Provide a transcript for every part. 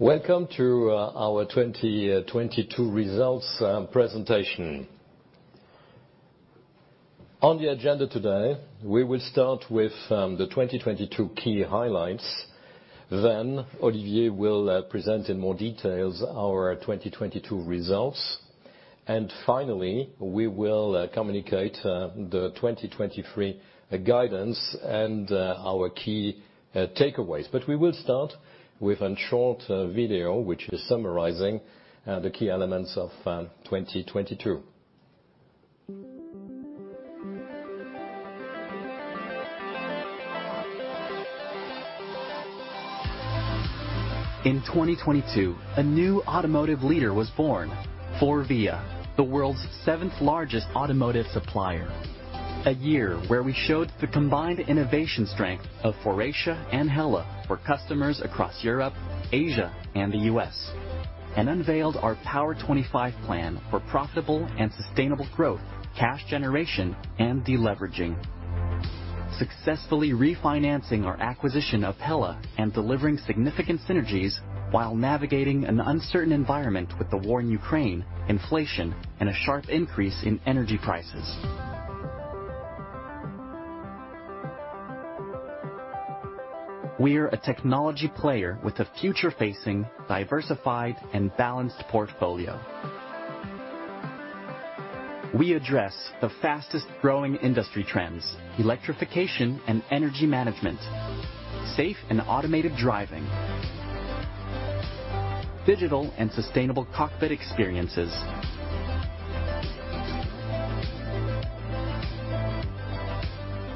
Welcome to our 2022 Results Presentation. On the agenda today, we will start with the 2022 key highlights. Olivier will present in more details our 2022 results. Finally, we will communicate the 2023 guidance and our key takeaways. We will start with an short video which is summarizing the key elements of 2022. In 2022, a new automotive leader was born, FORVIA, the world's seventh-largest automotive supplier. A year where we showed the combined innovation strength of Faurecia and HELLA for customers across Europe, Asia, and the U.S., and unveiled our POWER25 plan for profitable and sustainable growth, cash generation, and deleveraging. Successfully refinancing our acquisition of HELLA and delivering significant synergies while navigating an uncertain environment with the war in Ukraine, inflation, and a sharp increase in energy prices. We're a technology player with a future-facing, diversified, and balanced portfolio. We address the fastest-growing industry trends, electrification and energy management, safe and automated driving, digital and sustainable cockpit experiences.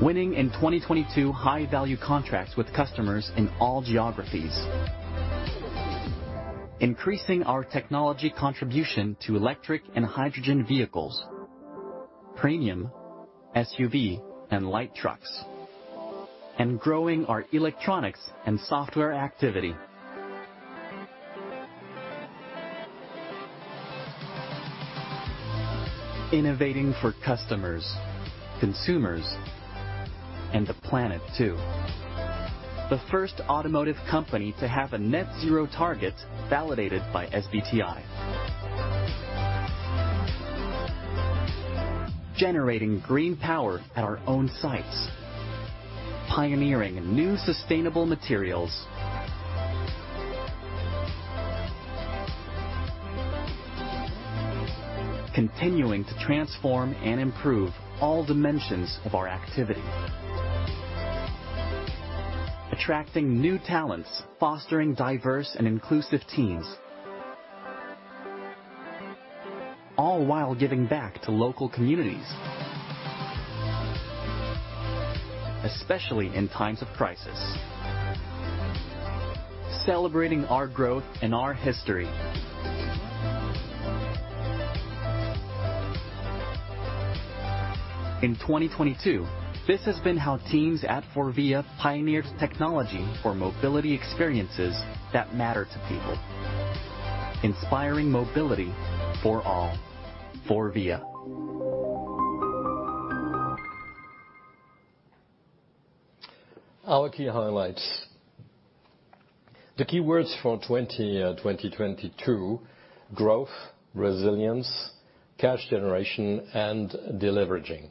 Winning in 2022 high-value contracts with customers in all geographies. Increasing our technology contribution to electric and hydrogen vehicles, premium, SUV, and light trucks, and growing our Electronics and software activity. Innovating for customers, consumers, and the planet too. The first automotive company to have a net-zero target validated by SBTi. Generating green power at our own sites. Pioneering new sustainable materials. Continuing to transform and improve all dimensions of our activity. Attracting new talents, fostering diverse and inclusive teams, all while giving back to local communities, especially in times of crisis. Celebrating our growth and our history. In 2022, this has been how teams at FORVIA pioneered technology for mobility experiences that matter to people. Inspiring mobility for all, FORVIA. Our key highlights. The keywords for 2022: growth, resilience, cash generation, and deleveraging.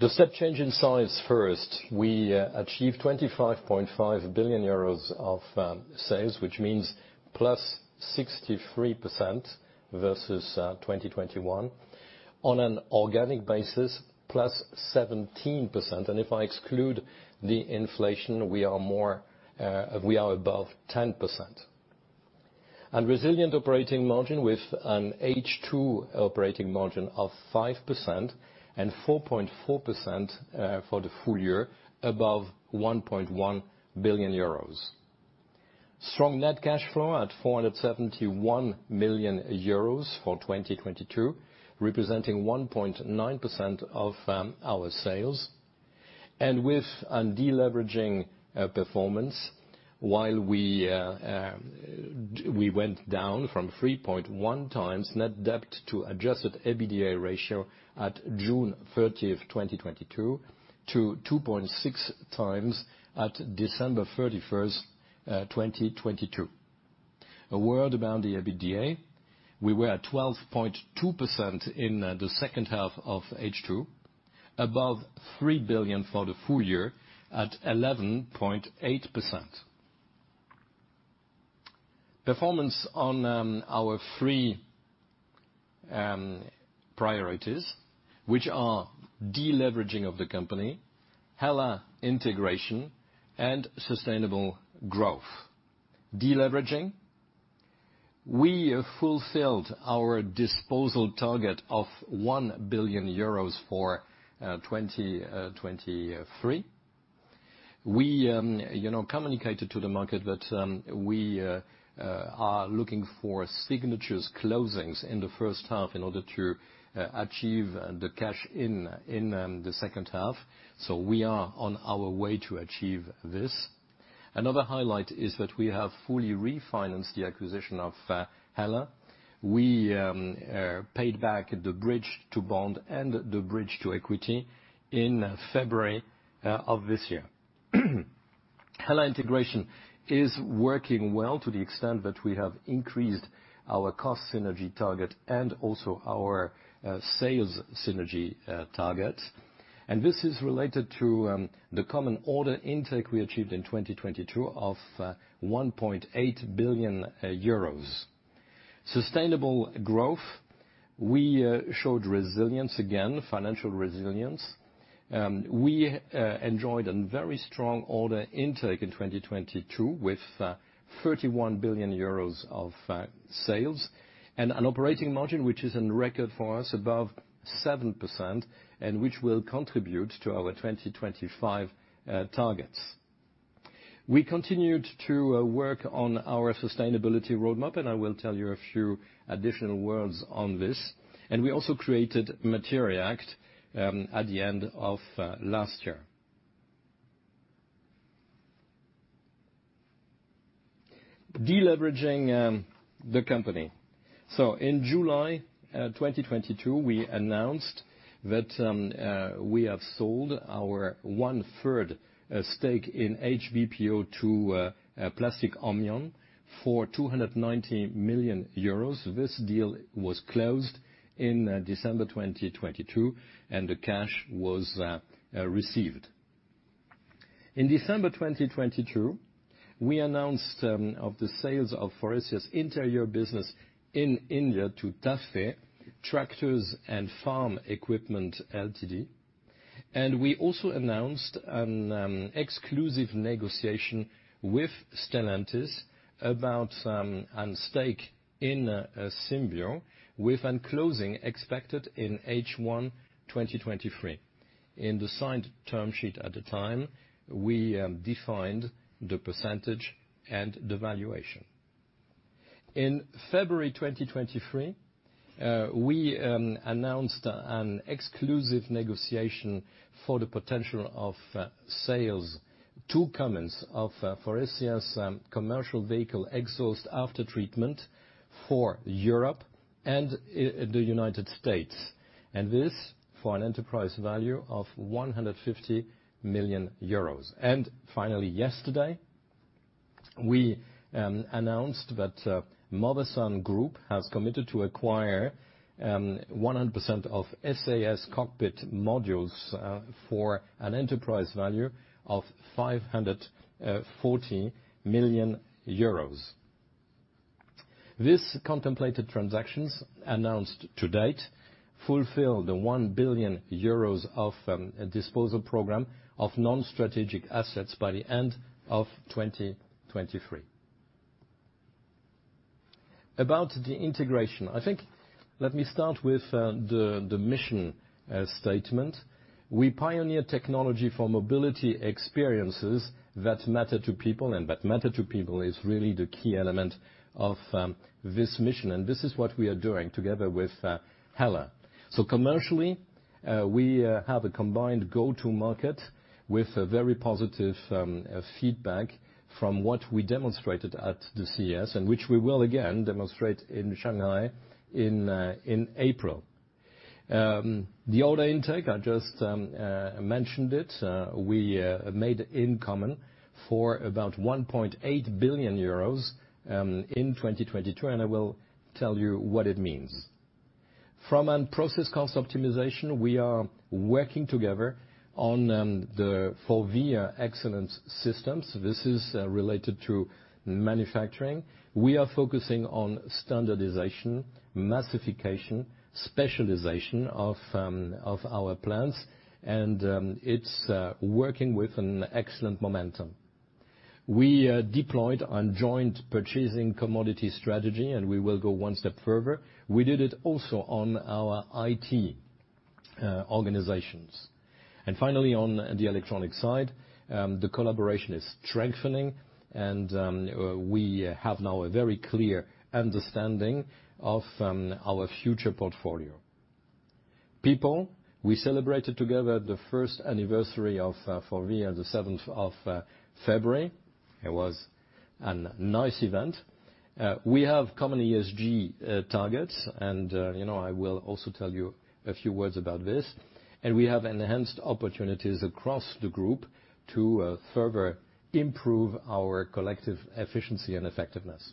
The step change in size first, we achieved 25.5 billion euros of sales, which means +63% versus 2021. On an organic basis, +17%, and if I exclude the inflation, we are more, we are above 10%. Resilient operating margin with an H2 operating margin of 5% and 4.4% for the full-year above 1.1 billion euros. Strong net cash flow at 471 million euros for 2022, representing 1.9% of our sales. With a deleveraging performance, we went down from 3.1x net debt to adjusted EBITDA ratio at June 30th, 2022 to 2.6x at December 31st, 2022. A word about the EBITDA, we were at 12.2% in the second half of H2, above 3 billion for the full-year at 11.8%. Performance on our three priorities, which are deleveraging of the company, HELLA integration, and sustainable growth. Deleveraging. We have fulfilled our disposal target of 1 billion euros for 2023. We, you know, communicated to the market that we are looking for signatures closings in the first half in order to achieve the cash in the second half. We are on our way to achieve this. Another highlight is that we have fully refinanced the acquisition of HELLA. We paid back the bridge to bond and the bridge to equity in February of this year. HELLA integration is working well to the extent that we have increased our cost synergy target and also our sales synergy target. This is related to the common order intake we achieved in 2022 of 1.8 billion euros. Sustainable growth, we showed resilience again, financial resilience. We enjoyed a very strong order intake in 2022, with 31 billion euros of sales, and an operating margin which is in record for us above 7%, and which will contribute to our 2025 targets. We continued to work on our sustainability roadmap, I will tell you a few additional words on this. We also created MATERI'ACT at the end of last year. Deleveraging the company. In July 2022, we announced that we have sold our 1/3 stake in HBPO to Plastic Omnium for 290 million euros. This deal was closed in December 2022, and the cash was received. In December 2022, we announced of the sales of Faurecia's Interior business in India to TAFE Tractors & Farm Equipment Ltd. We also announced an exclusive negotiation with Stellantis about an stake in Symbio, with a closing expected in H1 2023. In the signed term sheet at the time, we defined the percentage and the valuation. In February 2023, we announced an exclusive negotiation for the potential of sales to Cummins of Faurecia's commercial vehicle exhaust aftertreatment for Europe and in the United States. This for an enterprise value of 150 million euros. Finally, yesterday, we announced that Motherson Group has committed to acquire 100% of “SAS” Cockpit Modules for an enterprise value of 540 million euros. These contemplated transactions announced to date fulfill the 1 billion euros of a disposal program of non-strategic assets by the end of 2023. About the integration. I think, let me start with the mission statement. We pioneer technology for mobility experiences that matter to people, and that matter to people is really the key element of this mission. This is what we are doing together with HELLA. Commercially, we have a combined go-to-market with a very positive feedback from what we demonstrated at the CES, and which we will again demonstrate in Shanghai in April. The order intake, I just mentioned it. We made in common for about 1.8 billion euros in 2022, and I will tell you what it means. From a process cost optimization, we are working together on the FORVIA Excellence Systems. This is related to manufacturing. We are focusing on standardization, massification, specialization of our plans, and it's working with an excellent momentum. We deployed a joint purchasing commodity strategy, and we will go one step further. We did it also on our IT organizations. Finally, on the Electronic side, the collaboration is strengthening, and we have now a very clear understanding of our future portfolio. People, we celebrated together the first anniversary of FORVIA, the 7th of February. It was a nice event. We have common ESG targets, and you know, I will also tell you a few words about this. We have enhanced opportunities across the group to further improve our collective efficiency and effectiveness.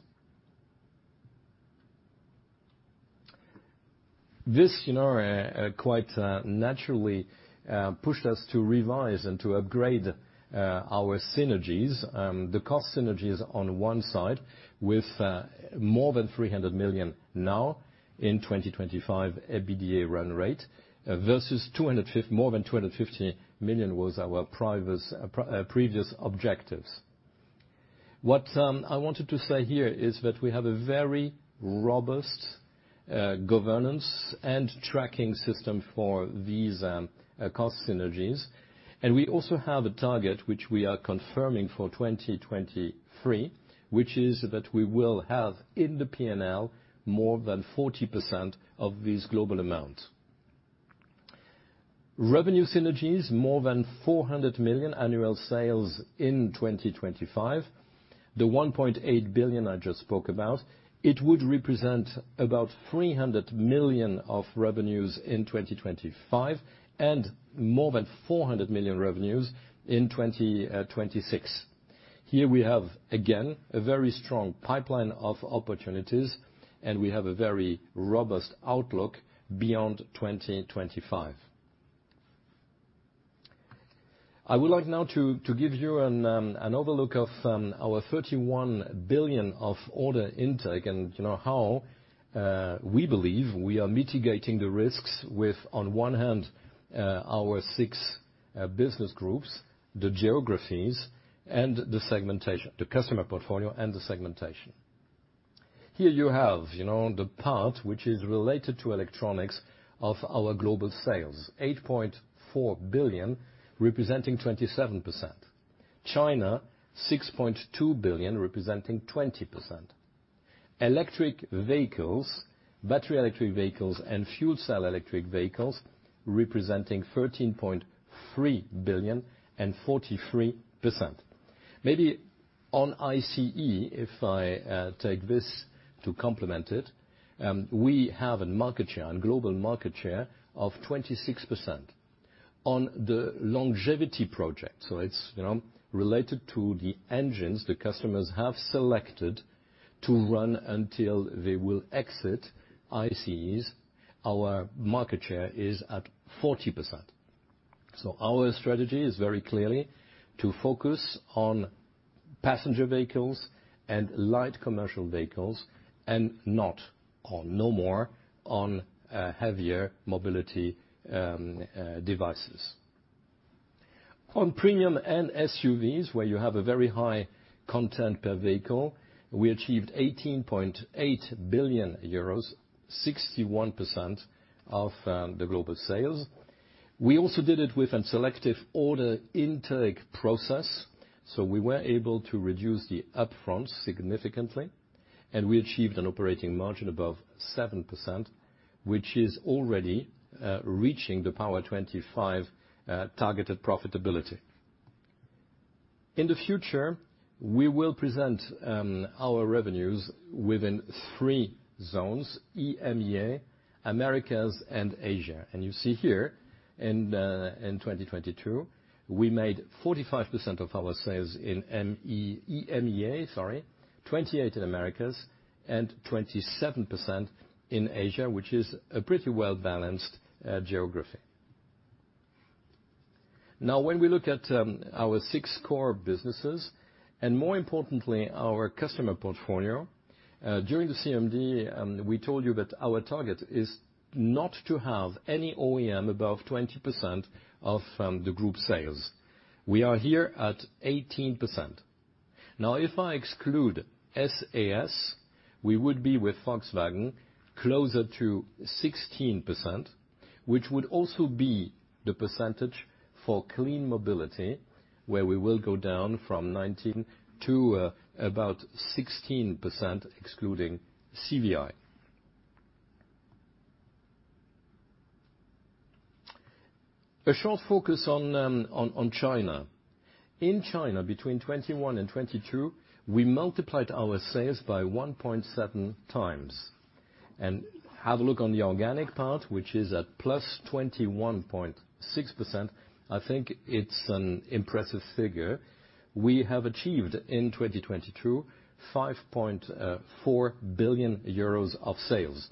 This, you know, quite naturally pushed us to revise and to upgrade our synergies. The cost synergies on one side with more than 300 million now in 2025 EBITDA run rate versus more than 250 million was our previous objectives. What I wanted to say here is that we have a very robust governance and tracking system for these cost synergies. We also have a target which we are confirming for 2023, which is that we will have in the P&L more than 40% of these global amounts. Revenue synergies, more than 400 million annual sales in 2025. The 1.8 billion I just spoke about, it would represent about 300 million of revenues in 2025, and more than 400 million revenues in 2026. Here we have, again, a very strong pipeline of opportunities, and we have a very robust outlook beyond 2025. I would like now to give you an overlook of our 31 billion of order intake, and you know, how we believe we are mitigating the risks with, on one hand, our six business groups, the geographies, and the segmentation, the customer portfolio and the segmentation. Here you have, you know, the part which is related to Electronics of our global sales, 8.4 billion representing 27%. China, 6.2 billion representing 20%. Electric vehicles, battery electric vehicles and fuel cell electric vehicles representing 13.3 billion and 43%. Maybe on ICE, if I take this to complement it, we have a market share, a global market share of 26%. On the longevity project, so it's, you know, related to the engines the customers have selected to run until they will exit ICEs, our market share is at 40%. Our strategy is very clearly to focus on passenger vehicles and light commercial vehicles and not on, no more on, heavier mobility devices. On premium and SUVs, where you have a very high content per vehicle, we achieved 18.8 billion euros, 61% of the global sales. We also did it with a selective order intake process, we were able to reduce the upfront significantly, and we achieved an operating margin above 7%, which is already reaching the POWER25 targeted profitability. In the future, we will present our revenues within three zones, EMEA, Americas, and Asia. You see here in 2022, we made 45% of our sales in EMEA, sorry, 28% in Americas, and 27% in Asia, which is a pretty well-balanced geography. Now when we look at our six core businesses, and more importantly, our customer portfolio during the CMD, we told you that our target is not to have any OEM above 20% of the group sales. We are here at 18%. Now if I exclude “SAS”, we would be with Volkswagen closer to 16%, which would also be the percentage for Clean Mobility, where we will go down from 19% to about 16% excluding CVI. A short focus on China. In China, between 2021 and 2022, we multiplied our sales by 1.7x. Have a look on the organic part, which is at +21.6%. I think it's an impressive figure. We have achieved in 2022 5.4 billion euros of sales.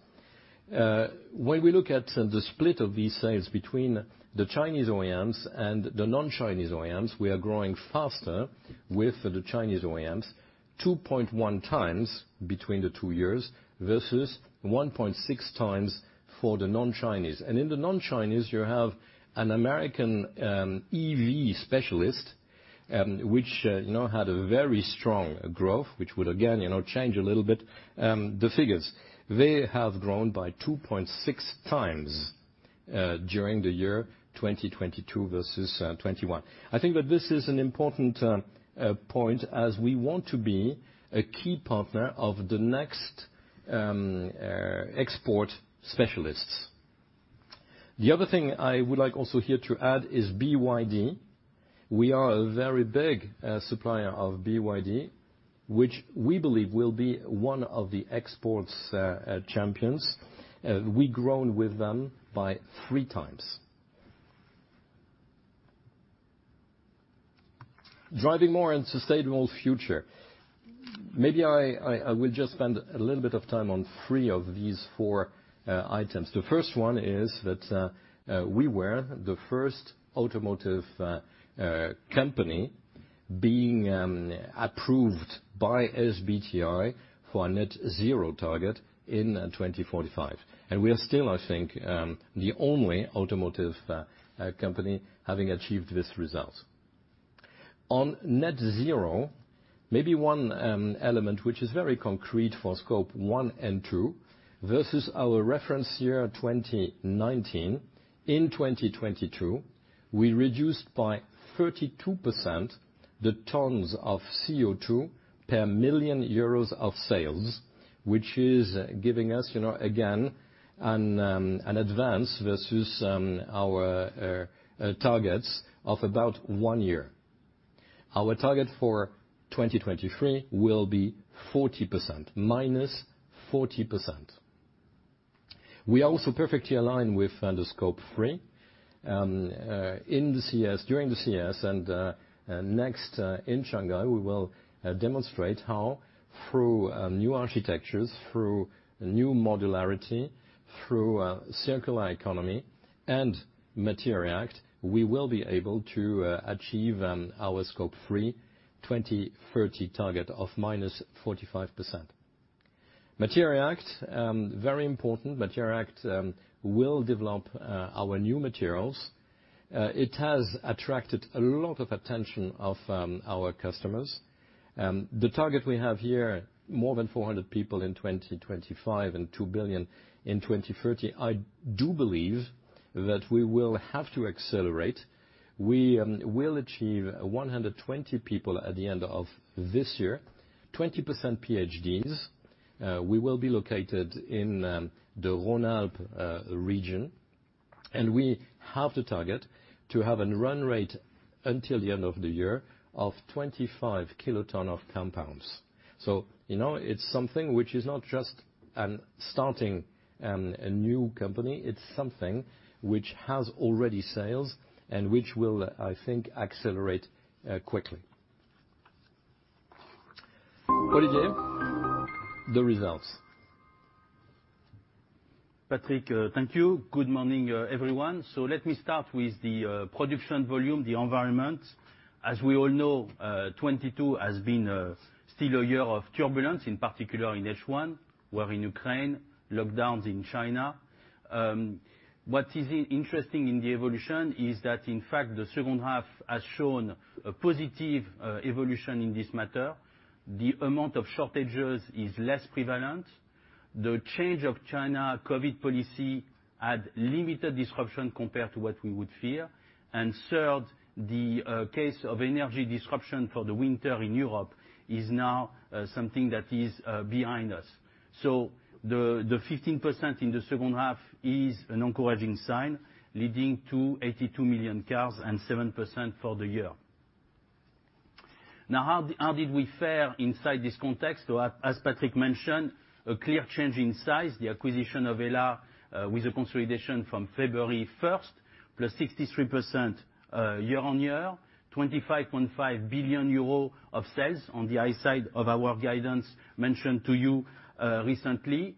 When we look at the split of these sales between the Chinese OEMs and the non-Chinese OEMs, we are growing faster with the Chinese OEMs 2.1x between the two years versus 1.6x for the non-Chinese. In the non-Chinese, you have an American EV specialist, which, you know, had a very strong growth, which would again, you know, change a little bit the figures. They have grown by 2.6x during the year 2022 versus 2021. I think that this is an important point as we want to be a key partner of the next export specialists. The other thing I would like also here to add is BYD. We are a very big supplier of BYD, which we believe will be one of the exports champions. We grown with them by 3x. Driving more and sustainable future. Maybe I will just spend a little bit of time on three of these four items. The first one is that we were the first automotive company being approved by SBTi for a net zero target in 2045. We are still, I think, the only automotive company having achieved this result. On net zero, maybe one element which is very concrete for Scope 1 and 2 versus our reference year 2019, in 2022, we reduced by 32% the tons of CO2 per 1 million euros of sales, which is giving us, you know, again, an advance versus our targets of about one year. Our target for 2023 will be 40%, -40%. We are also perfectly aligned with the Scope 3 in the CES, during the CES, and next in Shanghai, we will demonstrate how through new architectures, through new modularity, through circular economy and MATERI'ACT, we will be able to achieve our Scope 3 2030 target of -45%. MATERI'ACT, very important. MATERI'ACT will develop our new materials. It has attracted a lot of attention of our customers. The target we have here, more than 400 people in 2025 and 2 billion in 2030. I do believe that we will have to accelerate. We will achieve 120 people at the end of this year. 20% PhDs. We will be located in the Rhône-Alpes region, and we have the target to have a run rate until the end of the year of 25 kt of compounds. You know, it's something which is not just an starting a new company. It's something which has already sales and which will, I think accelerate quickly. Olivier, the results. Patrick, thank you. Good morning, everyone. Let me start with the production volume, the environment. As we all know, 2022 has been still a year of turbulence, in particular in H1. War in Ukraine, lockdowns in China. What is interesting in the evolution is that, in fact, the second half has shown a positive evolution in this matter. The amount of shortages is less prevalent. The change of China COVID policy had limited disruption compared to what we would fear. Third, the case of energy disruption for the winter in Europe is now something that is behind us. The 15% in the second half is an encouraging sign, leading to 82 million cars and 7% for the year. How, how did we fare inside this context? As Patrick mentioned, a clear change in size, the acquisition of HELLA, with a consolidation from February 1st, +63% year-on-year, 25.5 billion euro of sales on the high side of our guidance mentioned to you recently.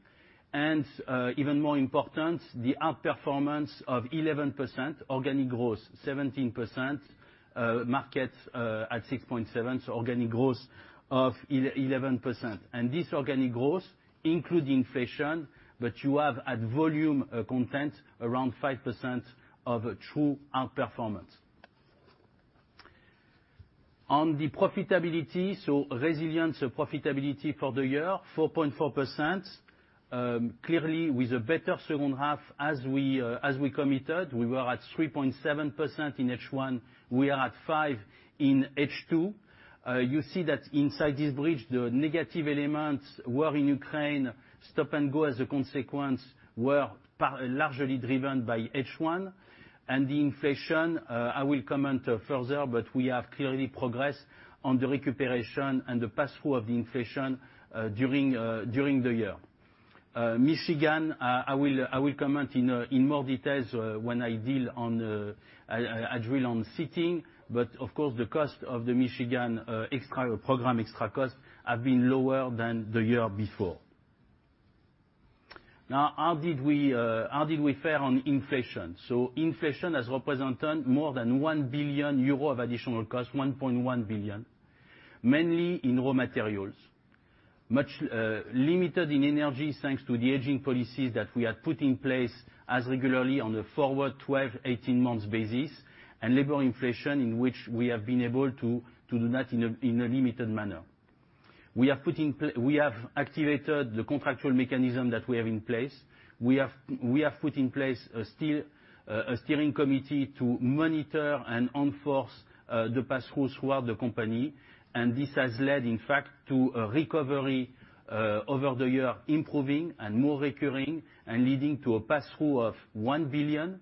Even more important, the outperformance of 11% organic growth, 17% market, at 6.7%, organic growth of 11%. This organic growth includes inflation, but you have at volume content around 5% of true outperformance. On the profitability, resilience of profitability for the year, 4.4%. Clearly, with a better second half as we committed, we were at 3.7% in H1. We are at 5% in H2. You see that inside this bridge, the negative elements were in Ukraine. Stop and go as a consequence were largely driven by H1. The inflation, I will comment further, but we have clearly progressed on the recuperation and the pass-through of the inflation during the year. Michigan, I will comment in more details when I drill on seating. Of course, the cost of the Michigan extra program, extra costs have been lower than the year before. How did we fare on inflation? Inflation has represented more than 1 billion euro of additional cost, 1.1 billion, mainly in raw materials. Much limited in energy, thanks to the hedging policies that we have put in place as regularly on a forward 12–18 months basis, and labor inflation in which we have been able to do that in a limited manner. We are putting we have activated the contractual mechanism that we have in place. We have put in place a steering committee to monitor and enforce the pass-throughs throughout the company. This has led, in fact, to a recovery over the year, improving and more recurring and leading to a pass-through of 1 billion,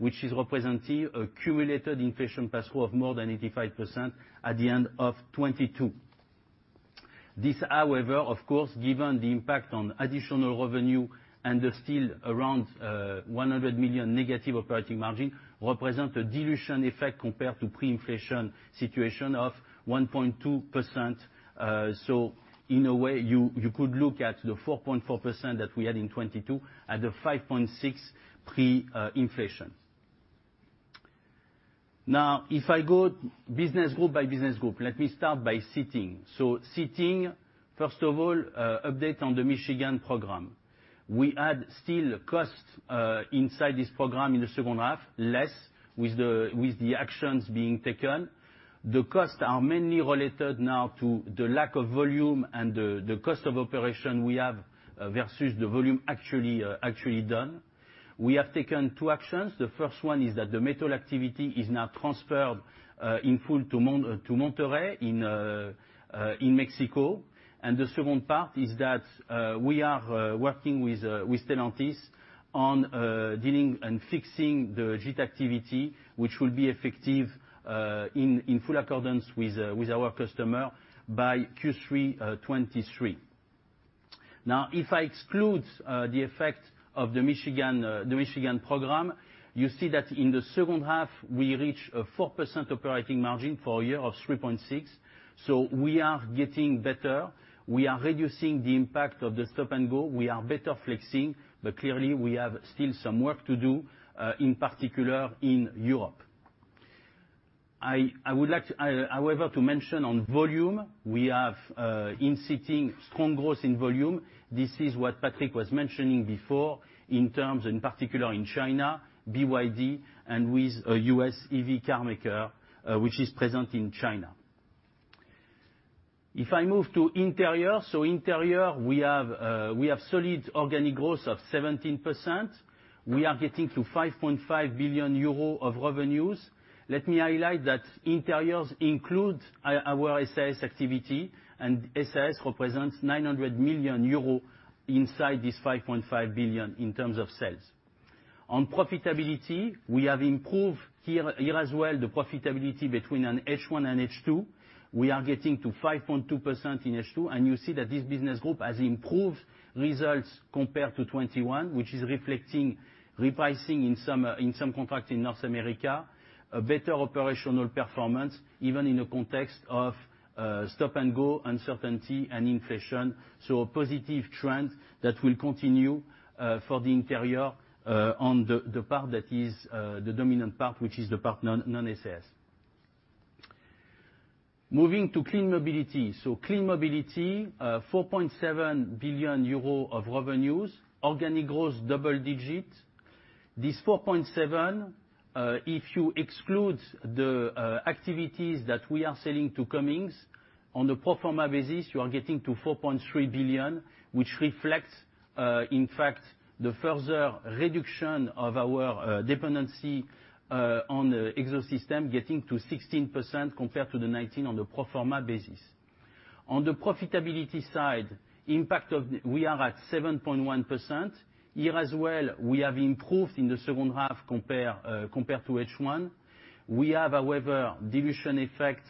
which is representing a cumulative inflation pass-through of more than 85% at the end of 2022. This, however, of course, given the impact on additional revenue and the still around, 100 million negative operating margin, represent a dilution effect compared to pre-inflation situation of 1.2%. In a way, you could look at the 4.4% that we had in 2022 at the 5.6% pre, inflation. If I go business group by business group, let me start by seating. Seating, first of all, update on the Michigan program. We had still costs inside this program in the second half, less with the actions being taken. The costs are mainly related now to the lack of volume and the cost of operation we have versus the volume actually done. We have taken two actions. The first one is that the metal activity is now transferred in full to Monterrey in Mexico. The second part is that we are working with Stellantis on dealing and fixing the Jeep activity, which will be effective in full accordance with our customer by Q3 2023. Now, if I exclude the effect of the Michigan program, you see that in the second half, we reach a 4% operating margin for a year of 3.6%. We are getting better. We are reducing the impact of the stop-and-go. We are better flexing, but clearly we have still some work to do, in particular in Europe. I would like to however mention on volume, we have in seating strong growth in volume. This is what Patrick was mentioning before in terms, in particular in China, BYD, and with a U.S. EV car maker, which is present in China. If I move to Interior, we have solid organic growth of 17%. We are getting to 5.5 billion euro of revenues. Let me highlight that Interiors include our “SAS” activity, and “SAS” represents 900 million euros inside this 5.5 billion in terms of sales. On profitability, we have improved here as well the profitability between an H1 and H2. We are getting to 5.2% in H2, and you see that this business group has improved results compared to 2021, which is reflecting repricing in some contracts in North America, a better operational performance, even in the context of stop-and-go uncertainty and inflation. A positive trend that will continue for the Interior on the part that is the dominant part, which is the part non-“SAS”. Moving to Clean Mobility. Clean Mobility, 4.7 billion euro of revenues, organic growth double digits. This 4.7 billion, if you exclude the activities that we are selling to Cummins, on the pro forma basis, you are getting to 4.3 billion, which reflects, in fact, the further reduction of our dependency on the ecosystem, getting to 16% compared to the 19% on the pro forma basis. On the profitability side, we are at 7.1%. Here as well, we have improved in the second half compared to H1. We have, however, dilution effect,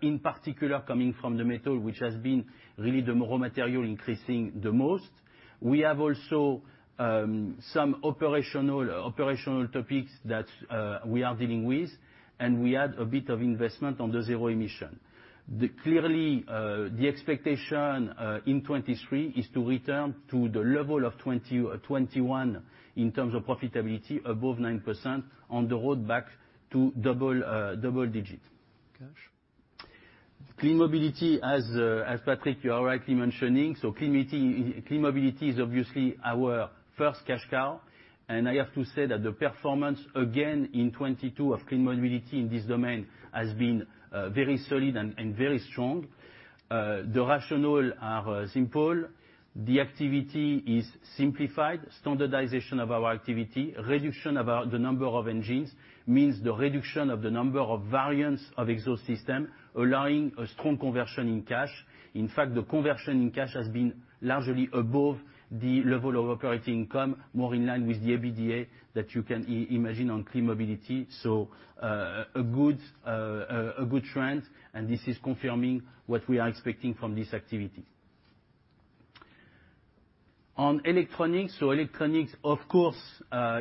in particular coming from the metal, which has been really the raw material increasing the most. We have also, some operational topics that we are dealing with, and we add a bit of investment on the zero emission. Clearly, the expectation in 2023 is to return to the level of 2021. In terms of profitabiliyy, above 9% on the road back to double digits. Clean Mobility, as Patrick, you are rightly mentioning, so Clean Mobility, Clean Mobility is obviously our first cash cow. I have to say that the performance again in 2022 of Clean Mobility in this domain has been very solid and very strong. The rationale are simple. The activity is simplified. Standardization of our activity. Reduction of the number of engines means the reduction of the number of variants of exhaust system, allowing a strong conversion in cash. In fact, the conversion in cash has been largely above the level of operating income, more in line with the EBITDA that you can imagine on Clean Mobility. A good trend, and this is confirming what we are expecting from this activity. On Electronics, of course,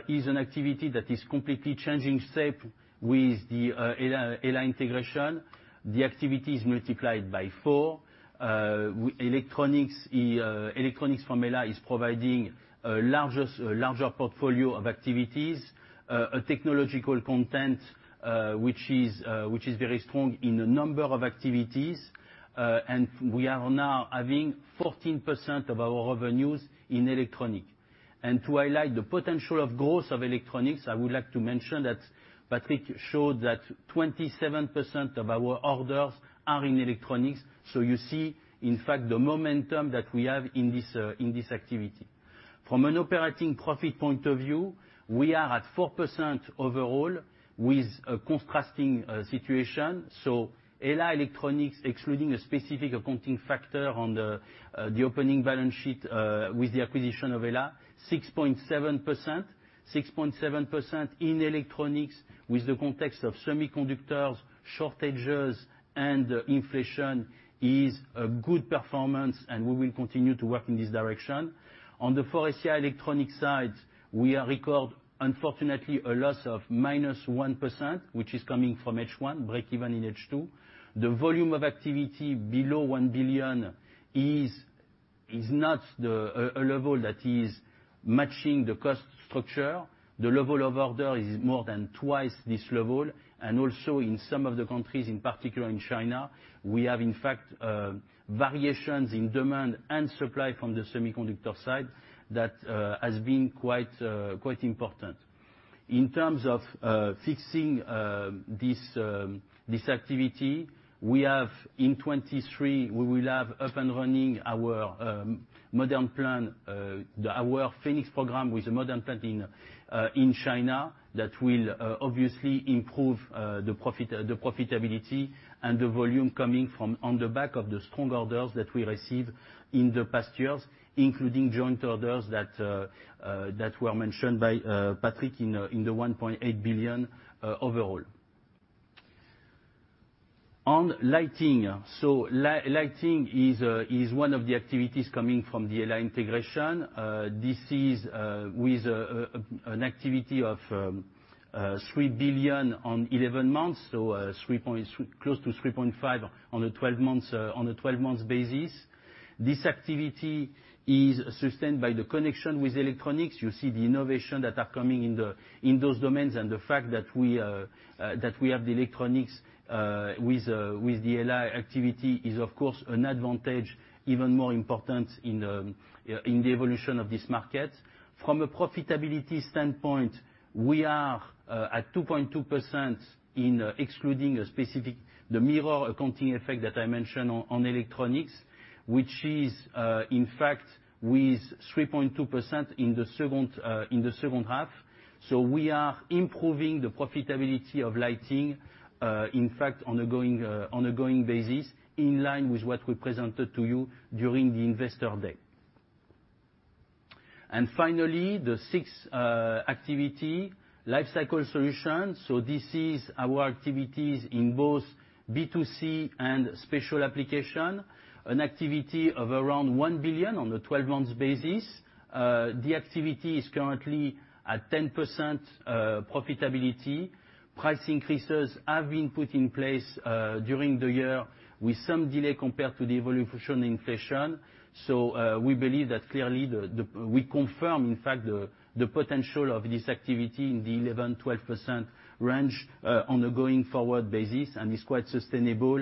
is an activity that is completely changing shape with the HELLA integration. The activity is multiplied by four. Electronics from HELLA is providing a larger portfolio of activities, a technological content, which is very strong in a number of activities. And we are now having 14% of our revenues in Electronic. To highlight the potential of growth of Electronics, I would like to mention that Patrick showed that 27% of our orders are in Electronics. You see, in fact, the momentum that we have in this activity. From an operating profit point of view, we are at 4% overall with a contrasting situation. HELLA Electronics, excluding a specific accounting factor on the opening balance sheet, with the acquisition of HELLA, 6.7%. 6.7% in Electronics with the context of semiconductors, shortages, and inflation is a good performance. We will continue to work in this direction. On the Faurecia Electronic side, we record, unfortunately, a loss of -1%, which is coming from H1, break even in H2. The volume of activity below 1 billion is not a level that is matching the cost structure. [inaudible] Also, in some of the countries, in particular in China, we have, in fact, variations in demand and supply from the semiconductor side that has been quite important. In terms of fixing this activity, we have, in 2023, we will have up and running our modern plan, our Phoenix program with the modern plant in China that will obviously improvethe profitability and the volume coming from on the back of the strong orders that we received in the past years, including joint orders that were mentioned by Patrick in the 1.8 billion overall. On Lighting. Lighting is one of the activities coming from the HELLA integration. This is with an activity of 3 billion on 11 months, so close to 3.5 billion on a 12 months, on a 12-months basis. This activity is sustained by the connection with Electronics. You see the innovation that are coming in those domains, the fact that we have the Electronics with the HELLA activity is, of course, an advantage even more important in the evolution of this market. From a profitability standpoint, we are at 2.2% in excluding a specific. The mirror accounting effect that I mentioned on Electronics, which is in fact with 3.2% in the second half. We are improving the profitability of Lighting, in fact, on a going basis, in line with what we presented to you during the Investor Day. Finally, the sixth activity, Lifecycle Solutions. This is our activities in both B2C and special application, an activity of around 1 billion on a 12-months basis. The activity is currently at 10% profitability. Price increases have been put in place during the year with some delay compared to the evolution inflation. We believe that clearly we confirm, in fact, the potential of this activity in the 11%-12% range on a going-forward basis and is quite sustainable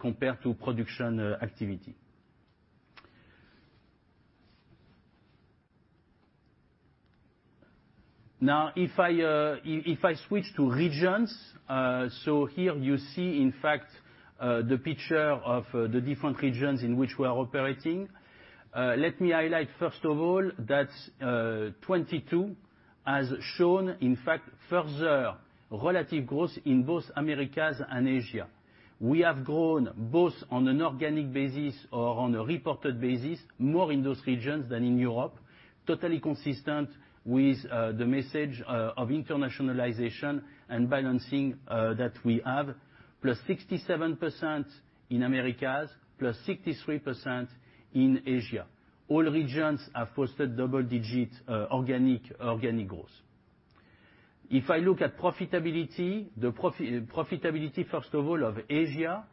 compared to production activity. If I switch to regions, so here you see, in fact, the picture of the different regions in which we are operating. Let me highlight, first of all, that 2022 has shown, in fact, further relative growth in both Americas and Asia. We have grown both on an organic basis or on a reported basis, more in those regions than in Europe, totally consistent with the message of internationalization and balancing that we have, +67% in Americas, +63% in Asia. All regions have fostered double digit organic growth. If I look at profitability, the profitability, first of all, of Asia,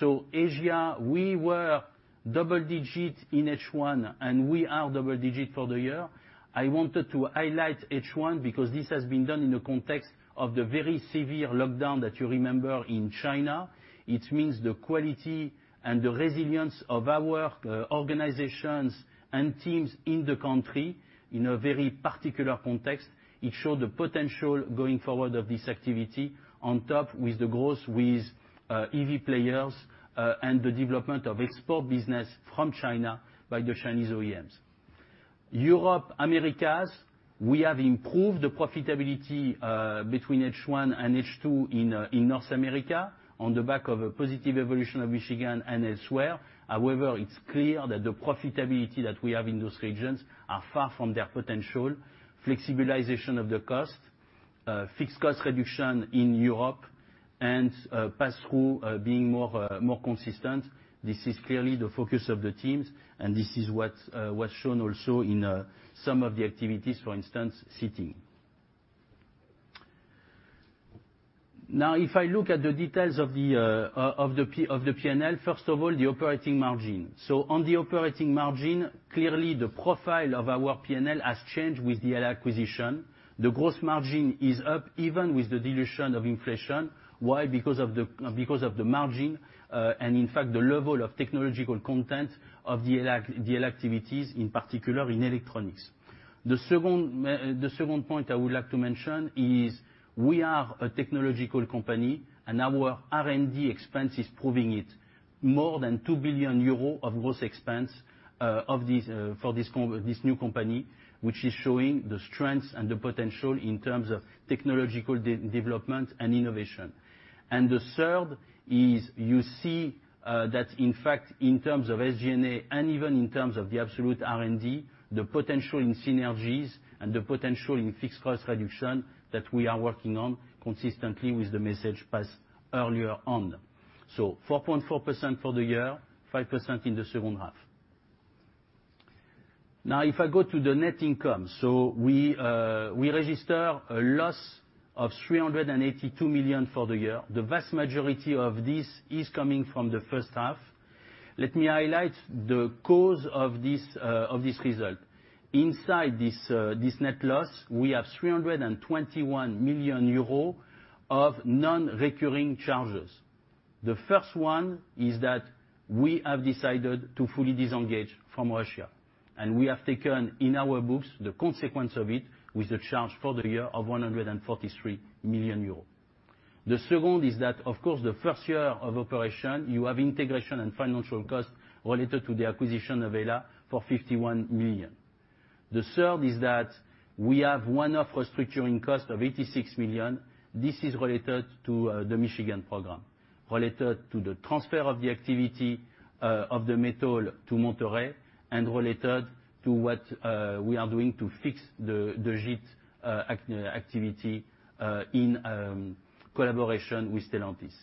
so Asia, we were double digit in H1, and we are double digit for the year. I wanted to highlight H1 because this has been done in the context of the very severe lockdown that you remember in China. It means the quality and the resilience of our organizations and teams in the country in a very particular context. It showed the potential going forward of this activity on top with the growth with EV players and the development of export business from China by the Chinese OEMs. Europe, Americas, we have improved the profitability between H1 and H2 in North America on the back of a positive evolution of Michigan and elsewhere. However, it's clear that the profitability that we have in those regions are far from their potential. Flexibilization of the cost, fixed cost reduction in Europe, and pass-through, being more consistent. This is clearly the focus of the teams, and this is what's shown also in some of the activities, for instance, seating. Now, if I look at the details of the P&L, first of all, the operating margin. On the operating margin, clearly the profile of our P&L has changed with the HELLA acquisition. The gross margin is up even with the dilution of inflation. Why? Because of the margin, and in fact, the level of technological content of the HELLA activities, in particular in Electronics. The second point I would like to mention is we are a technological company, and our R&D expense is proving it. More than 2 billion euros of gross expense, for this new company, which is showing the strengths and the potential in terms of technological development and innovation. The third, is you see that in fact, in terms of SG&A, and even in terms of the absolute R&D, the potential in synergies and the potential in fixed cost reduction that we are working on consistently with the message passed earlier on. 4.4% for the year, 5% in the second half. Now if I go to the net income, we register a loss of 382 million for the year. The vast majority of this is coming from the first half. Let me highlight the cause of this result. Inside this net loss, we have 321 million euros of non-recurring charges. The first one is that we have decided to fully disengage from Russia, and we have taken in our books the consequence of it with a charge for the year of 143 million euros. The second is that, of course, the first year of operation, you have integration and financial costs related to the acquisition of HELLA for 51 million. The third is that we have one-off restructuring cost of 86 million. This is related to the Michigan program, related to the transfer of the activity of the metal to Monterrey and related to what we are doing to fix the Jeep activity in collaboration with Stellantis.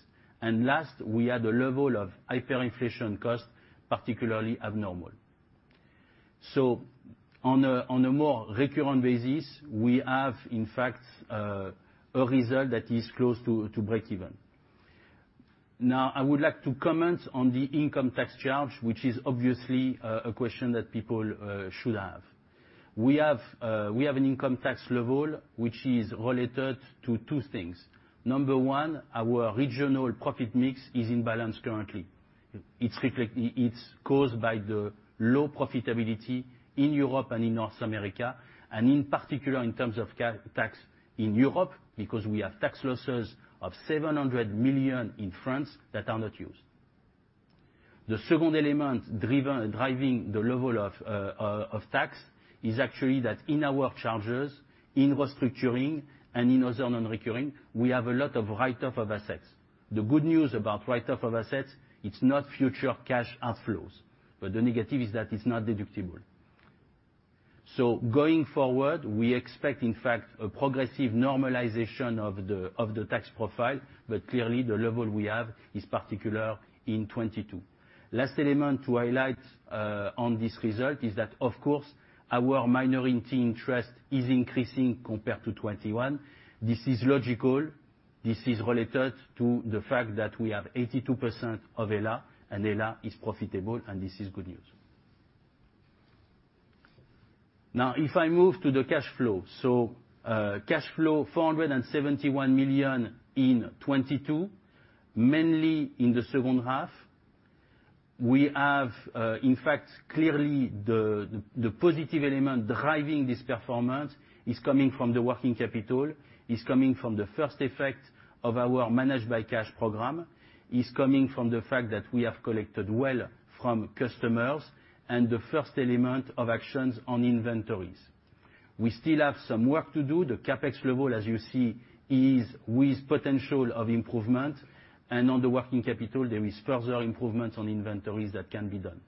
Last, we had a level of hyperinflation cost particularly abnormal. On a more recurrent basis, we have, in fact, a result that is close to breakeven. Now I would like to comment on the income tax charge, which is obviously a question that people should have. We have an income tax level which is related to two things. Number one, our regional profit mix is in balance currently. It's caused by the low profitability in Europe and in North America, and in particular in terms of tax in Europe, because we have tax losses of 700 million in France that are not used. The second element driven, driving the level of tax is actually that in our charges, in restructuring, and in other non-recurring, we have a lot of write-off of assets. The good news about write-off of assets, it's not future cash outflows, but the negative is that it's not deductible. Going forward, we expect, in fact, a progressive normalization of the tax profile, but clearly the level we have is particular in 2022. Last element to highlight on this result is that, of course, our minority interest is increasing compared to 2021. This is logical. This is related to the fact that we have 82% of HELLA, and HELLA is profitable, and this is good news. Now if I move to the cash flow. cash flow 471 million in 2022, mainly in the second half. We have, in fact, clearly the positive element driving this performance is coming from the working capital, is coming from the first effect of our Manage by Cash program, is coming from the fact that we have collected well from customers, and the first element of actions on inventories. We still have some work to do. The CapEx level, as you see, is with potential of improvement, and on the working capital, there is further improvements on inventories that can be done.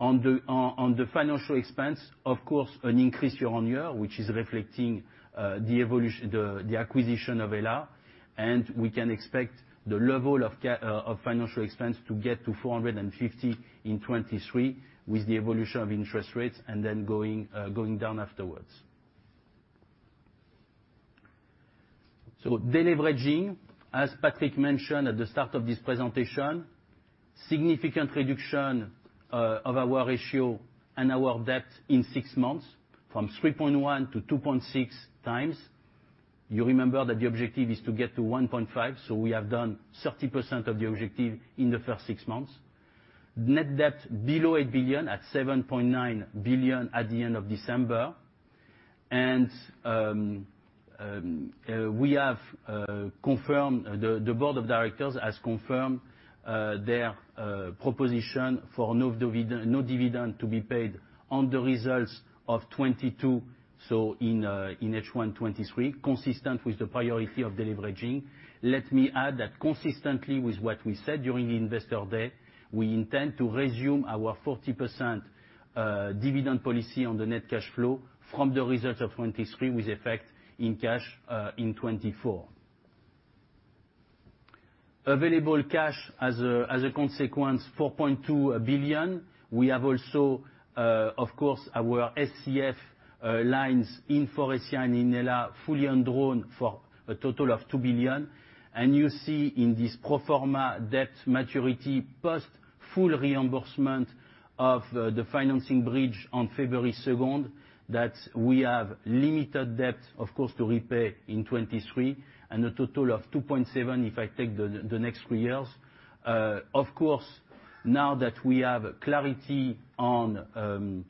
On the financial expense, of course, an increase year-on-year, which is reflecting the acquisition of HELLA, and we can expect the level of financial expense to get to 450 million in 2023 with the evolution of interest rates and then going down afterwards. Deleveraging, as Patrick mentioned at the start of this presentation, significant reduction of our ratio and our debt in six months from 3.1x to 2.6x. You remember that the objective is to get to 1.5x. We have done 30% of the objective in the first six months. Net debt below 8 billion, at 7.9 billion at the end of December. We have confirmed, the Board of Directors has confirmed, their proposition for no dividend to be paid on the results of 2022, so in et one 2023, consistent with the priority of deleveraging. Let me add that consistently with what we said during Investor Day, we intend to resume our 40% dividend policy on the net cash flow from the results of 2023 with effect in cash in 2024. Available cash as a consequence, 4.2 billion. We have also, of course, our SCF lines in Faurecia and in HELLA fully undrawn for a total of 2 billion. You see in this pro forma debt maturity post full reimbursement of the financing bridge on February 2nd that we have limited debt, of course, to repay in 2023 and a total of 2.7 billion, if I take the next three years. Of course, now that we have clarity on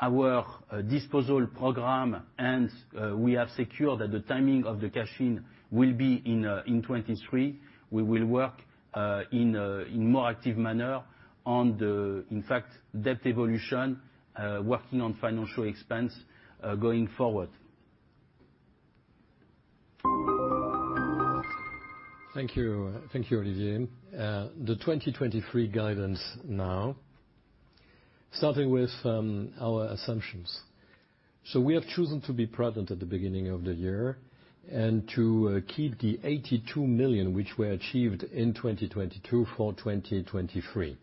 our disposal program, and we have secured that the timing of the cash-in will be in 2023, we will work in a more active manner on the, in fact, debt evolution, working on financial expense, going forward. Thank you. Thank you, Olivier. The 2023 guidance now, starting with our assumptions. We have chosen to be prudent at the beginning of the year and to keep the 82 million which were achieved in 2022 for 2023.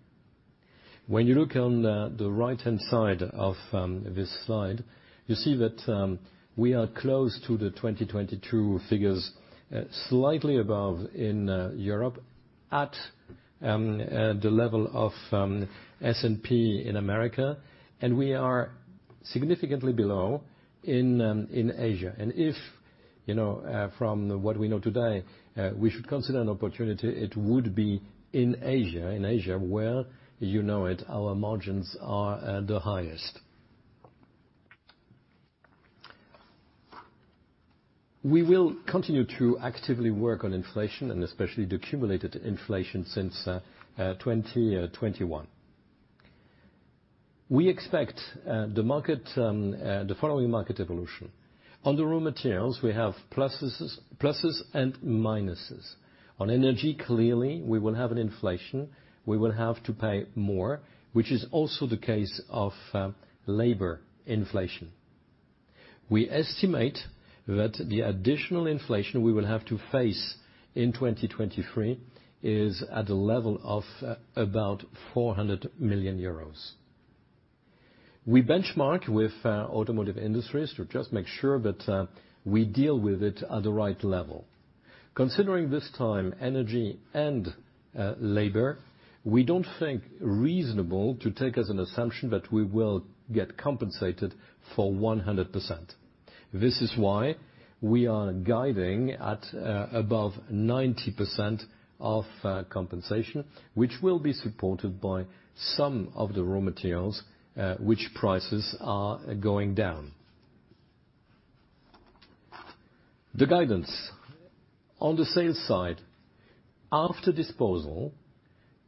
When you look on the right-hand side of this slide, you see that we are close to the 2022 figures, slightly above in Europe at the level of S&P in America, and we are significantly below in Asia. If, you know, from what we know today, we should consider an opportunity, it would be in Asia. In Asia, where you know it, our margins are the highest. We will continue to actively work on inflation and especially the accumulated inflation since 2021. We expect the market—the following market evolution. On the raw materials, we have pluses and minuses. On energy, clearly, we will have an inflation. We will have to pay more, which is also the case of labor inflation. We estimate that the additional inflation we will have to face in 2023 is at a level of about 400 million euros. We benchmark with automotive industries to just make sure that we deal with it at the right level. Considering this time energy and labor, we don't think reasonable to take as an assumption that we will get compensated for 100%. This is why we are guiding at above 90% of compensation, which will be supported by some of the raw materials, which prices are going down. The guidance. On the sales side, after disposal,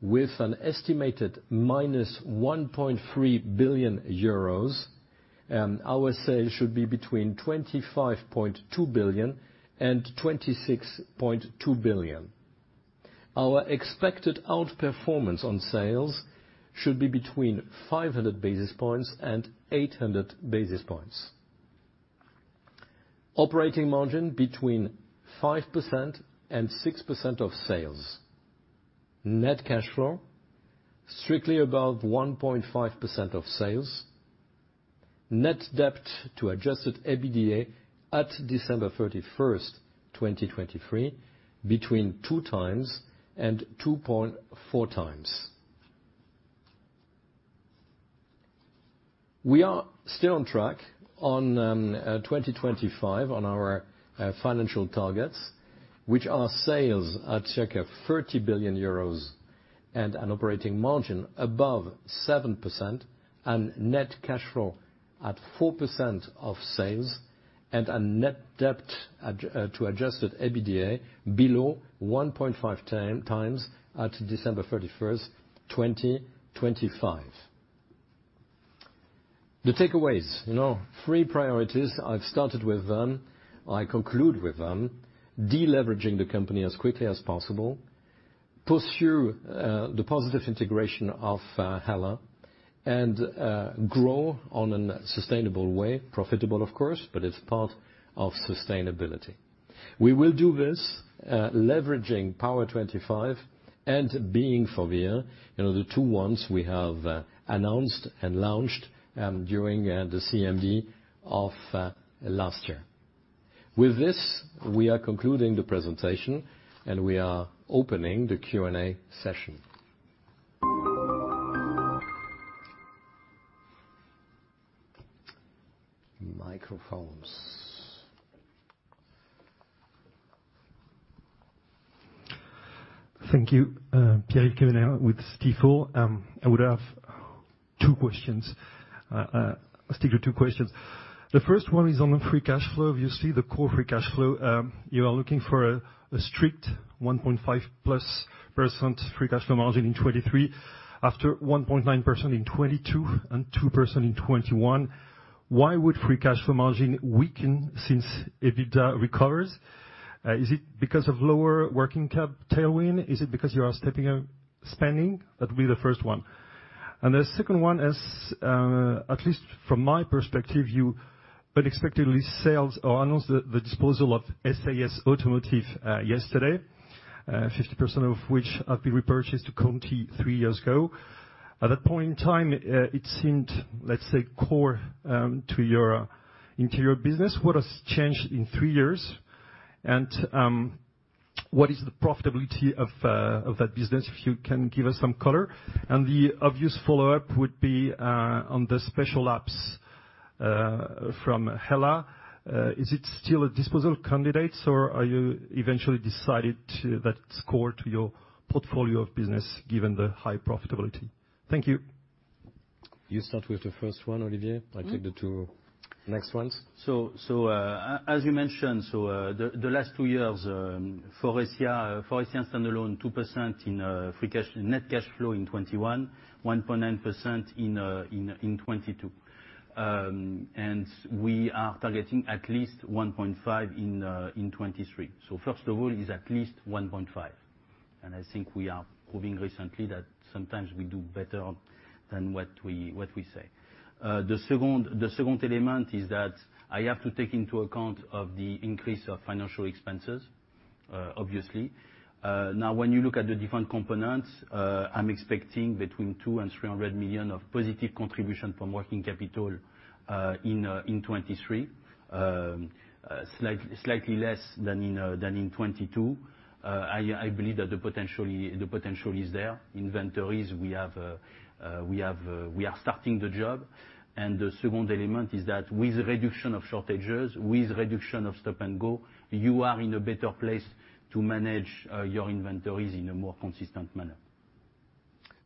with an estimated -1.3 billion euros, our sales should be between 25.2 billion and 26.2 billion. Our expected outperformance on sales should be between 500 basis points and 800 basis points. Operating margin between 5% and 6% of sales. Net cash flow strictly above 1.5% of sales. Net debt to adjusted EBITDA at December 31st, 2023, between 2x and 2.4x. We are still on track on 2025 on our financial targets, which are sales at circa 30 billion euros and an operating margin above 7% and net cash flow at 4% of sales, and a net debt to adjusted EBITDA below 1.5x at December 31st, 2025. The takeaways. You know, three priorities, I've started with them, I conclude with them. Deleveraging the company as quickly as possible, pursue the positive integration of HELLA, and grow on a sustainable way, profitable of course, but it's part of sustainability. We will do this leveraging POWER25 and Being Faurecia, you know, the two ones we have announced and launched during the CMD of last year. With this, we are concluding the presentation, and we are opening the Q&A session. Microphones. Thank you. Pierre-Yves Quemener with Stifel. I would have two questions. stick with two questions. The first one is on the free cash flow. Obviously, the core free cash flow, you are looking for a strict 1.5%+ free cash flow margin in 2023, after 1.9% in 2022 and 2% in 2021. Why would free cash flow margin weaken since EBITDA recovers? Is it because of lower working cap tailwind? Is it because you are stepping up spending? That will be the first one. The second one is, at least from my perspective, you unexpectedly sales or announced the disposal of “SAS” Automotive yesterday, 50% of which had been repurchased to Conti three years ago. At that point in time, it seemed, let's say, core, to your Interior business. What has changed in three years? What is the profitability of that business, if you can give us some color? The obvious follow-up would be on the special apps from HELLA. Is it still a disposal candidates, or are you eventually decided to. That's core to your portfolio of business given the high profitability? Thank you. You start with the first one, Olivier. I'll take the two next ones. As you mentioned, the last two years, Faurecia standalone 2% in free cash, net cash flow in 2021, 1.9% in 2022. We are targeting at least 1.5% in 2023. First of all, it's at least 1.5%. I think we are proving recently that sometimes we do better than what we say. The second element is that I have to take into account of the increase of financial expenses, obviously. When you look at the different components, I'm expecting between 200 million-300 million of positive contribution from working capital in 2023. Slightly less than in 2022. I believe that the potential is there. Inventories, we are starting the job. The second element is that with reduction of shortages, with reduction of stop-and-go, you are in a better place to manage your inventories in a more consistent manner.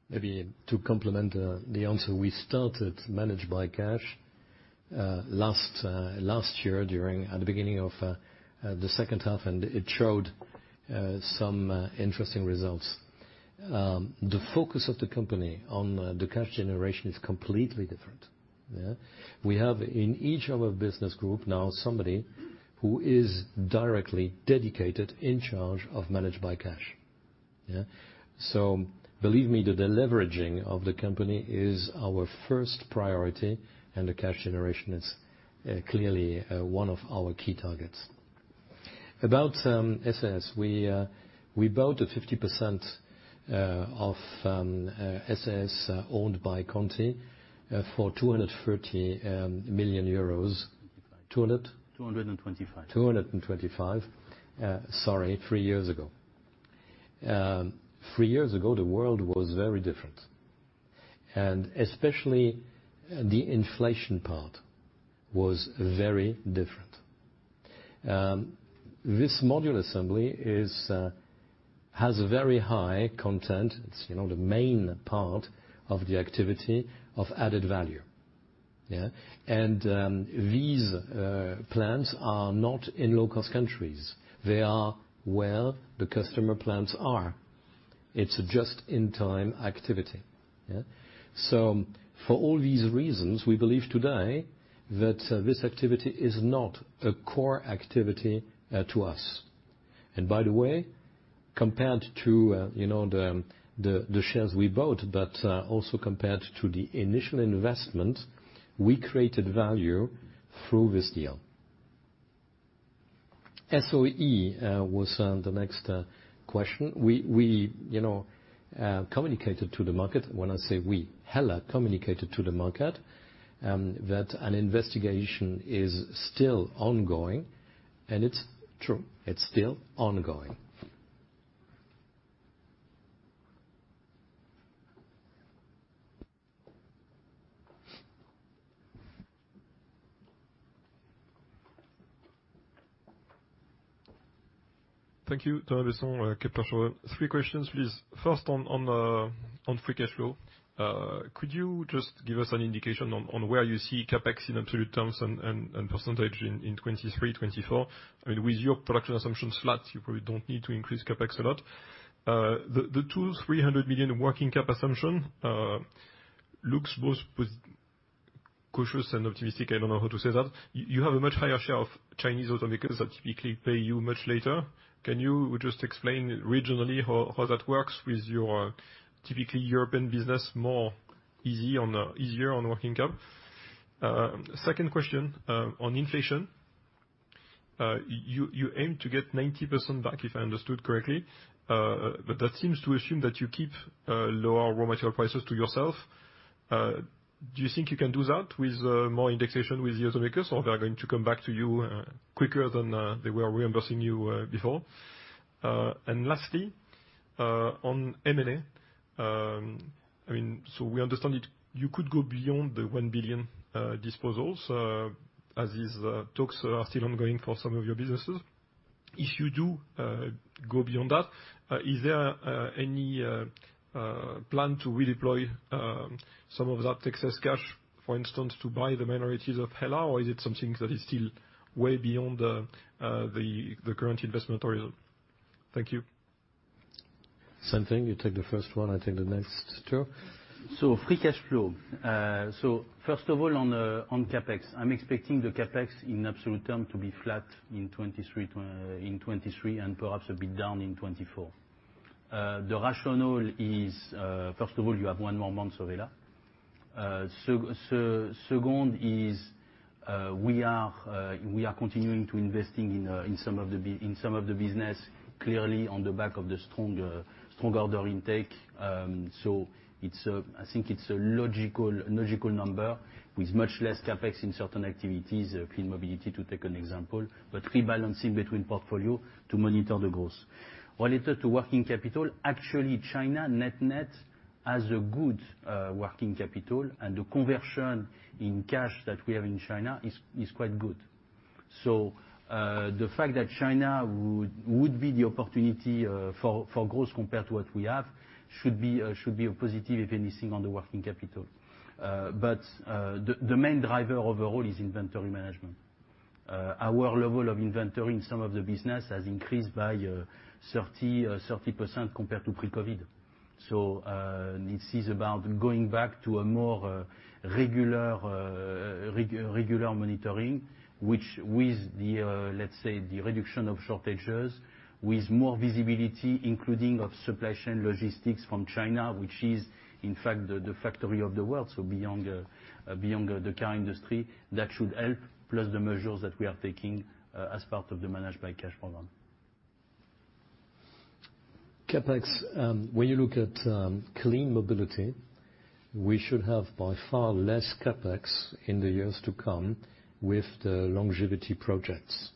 Maybe to complement the answer, we started Manage by Cash last year at the beginning of the second half, and it showed some interesting results. The focus of the company on the cash generation is completely different. Yeah? We have in each of our business group now somebody who is directly dedicated in charge of Manage by Cash. Yeah. Believe me, the deleveraging of the company is our first priority, and the cash generation is clearly one of our key targets. About “SAS”, we bought a 50% of “SAS” owned by Conti for 230 million euros. 200? 225 million. 225 million, sorry, three years ago. Three years ago, the world was very different, and especially the inflation part was very different. This module assembly is has a very high content. It's, you know, the main part of the activity of added value. These plants are not in low-cost countries. They are where the customer plants are. It's just-in-time activity. For all these reasons, we believe today that this activity is not a core activity to us. By the way, compared to, you know, the shares we bought, but also compared to the initial investment, we created value through this deal. SOE was the next question. We, you know, communicated to the market. When I say we, HELLA communicated to the market, that an investigation is still ongoing. It's true, it's still ongoing. Thank you. Thomas Besson, three questions, please. First on free cash flow, could you just give us an indication on where you see CapEx in absolute terms and percentage in 2023, 2024? I mean, with your production assumptions flat, you probably don't need to increase CapEx a lot. The 200 million-300 million working cap assumption looks both cautious and optimistic. I don't know how to say that. You have a much higher share of Chinese automakers that typically pay you much later. Can you just explain regionally how that works with your typically European business, easier on working cap? Second question, on inflation. You aim to get 90% back, if I understood correctly, but that seems to assume that you keep lower raw material prices to yourself. Do you think you can do that with more indexation with the automakers, or they are going to come back to you quicker than they were reimbursing you before? Lastly, on M&A, I mean, so we understand it, you could go beyond the 1 billion disposals, as these talks are still ongoing for some of your businesses. If you do go beyond that, is there any plan to redeploy some of that excess cash, for instance, to buy the minorities of HELLA? Or is it something that is still way beyond the current investment horizon? Thank you. Same thing, you take the first one, I take the next two. Free cash flow. First of all, on CapEx, I'm expecting the CapEx in absolute term to be flat in 2023, in 2023 and perhaps a bit down in 2024. The rationale is, first of all, you have one more month of HELLA. Second is, we are continuing to investing in some of the business clearly on the back of the strong order intake. I think it's a logical number with much less CapEx in certain activities, Clean Mobility to take an example, but rebalancing between portfolio to monitor the growth. Related to working capital, actually, China net net has a good working capital and the conversion in cash that we have in China is quite good. The fact that China would be the opportunity for growth compared to what we have should be a positive, if anything, on the working capital. The main driver overall is inventory management. Our level of inventory in some of the business has increased by 30% compared to pre-COVID. This is about going back to a more regular monitoring, which with the, let's say, the reduction of shortages with more visibility, including of supply chain logistics from China, which is, in fact, the factory of the world. Beyond the car industry, that should help, plus the measures that we are taking as part of the Manage by Cash program. CapEx, when you look at Clean Mobility, we should have by far less CapEx in the years to come with the longevity projects.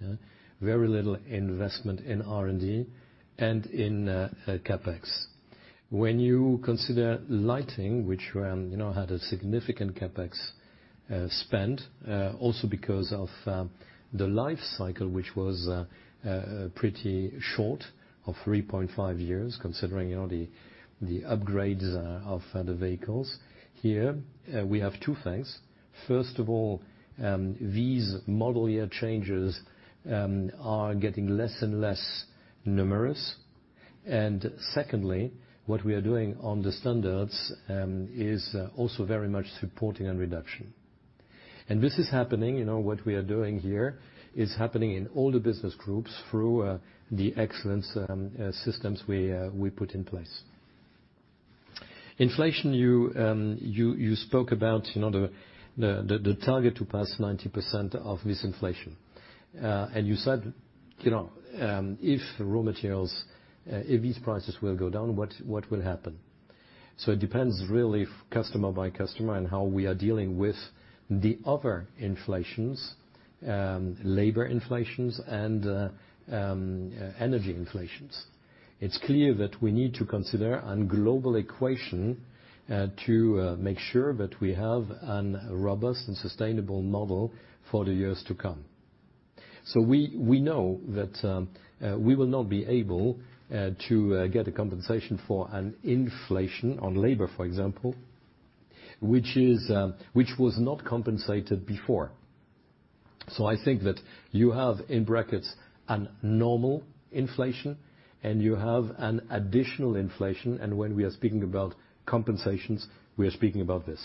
Yeah. Very little investment in R&D and in CapEx. When you consider Lighting, which, you know, had a significant CapEx spend, also because of the life cycle, which was pretty short of 3.5 years, considering, you know, the upgrades of the vehicles. Here, we have two things. First of all, these model year changes are getting less and less numerous. Secondly, what we are doing on the standards is also very much supporting on reduction. This is happening, you know, what we are doing here is happening in all the business groups through the excellence systems we put in place. Inflation, you spoke about, you know, the target to pass 90% of this inflation. You said, you know, if raw materials, if these prices will go down, what will happen? It depends really customer by customer and how we are dealing with the other inflations, labor inflations and energy inflations. It's clear that we need to consider a global equation to make sure that we have a robust and sustainable model for the years to come. We know that we will not be able to get a compensation for an inflation on labor, for example, which was not compensated before. I think that you have, in brackets, a normal inflation, and you have an additional inflation. When we are speaking about compensations, we are speaking about this.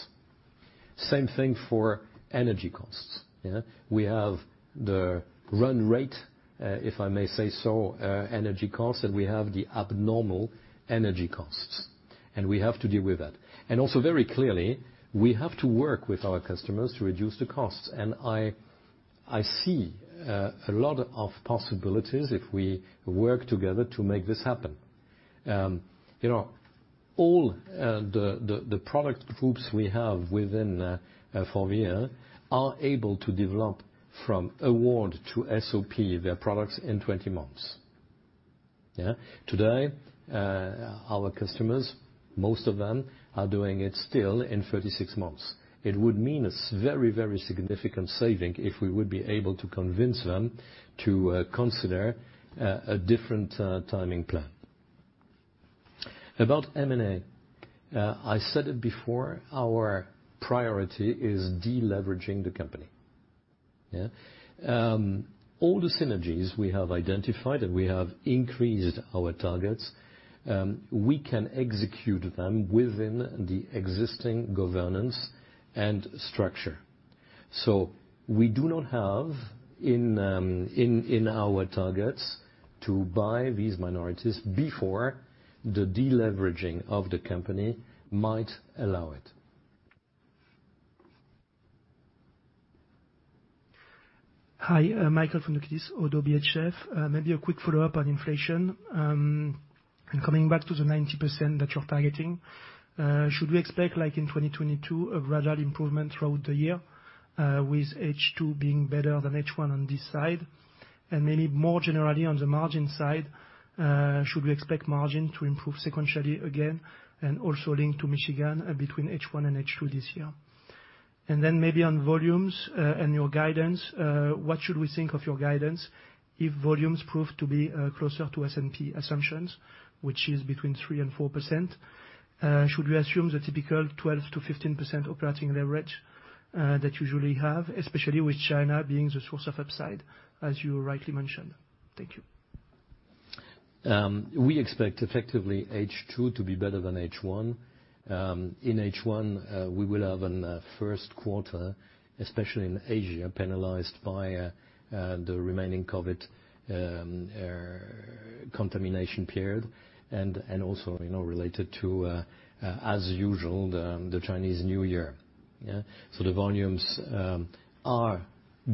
Same thing for energy costs. Yeah. We have the run rate, if I may say so, energy costs, and we have the abnormal energy costs, and we have to deal with that. Also very clearly, we have to work with our customers to reduce the costs. I see a lot of possibilities if we work together to make this happen. You know, all the product groups we have within FORVIA are able to develop from award to SOP their products in 20 months. Yeah. Today, our customers, most of them are doing it still in 36 months. It would mean a very, very significant saving if we would be able to convince them to consider a different timing plan. About M&A, I said it before, our priority is deleveraging the company. All the synergies we have identified, and we have increased our targets, we can execute them within the existing governance and structure. We do not have in our targets to buy these minorities before the deleveraging of the company might allow it. Hi, Michael Foundoukidis from ODDO BHF. Maybe a quick follow-up on inflation and coming back to the 90% that you're targeting, should we expect, like in 2022, a gradual improvement throughout the year, with H2 being better than H1 on this side? Maybe more generally on the margin side, should we expect margin to improve sequentially again, and also linked to Michigan between H1 and H2 this year? Maybe on volumes and your guidance, what should we think of your guidance if volumes prove to be closer to S&P assumptions, which is between 3%-4%, should we assume the typical 12%-15% operating leverage that you usually have, especially with China being the source of upside, as you rightly mentioned? Thank you. We expect effectively H2 to be better than H1. In H1, we will have an first quarter, especially in Asia, penalized by the remaining COVID contamination period and also, you know, related to as usual, the Chinese New Year. The volumes are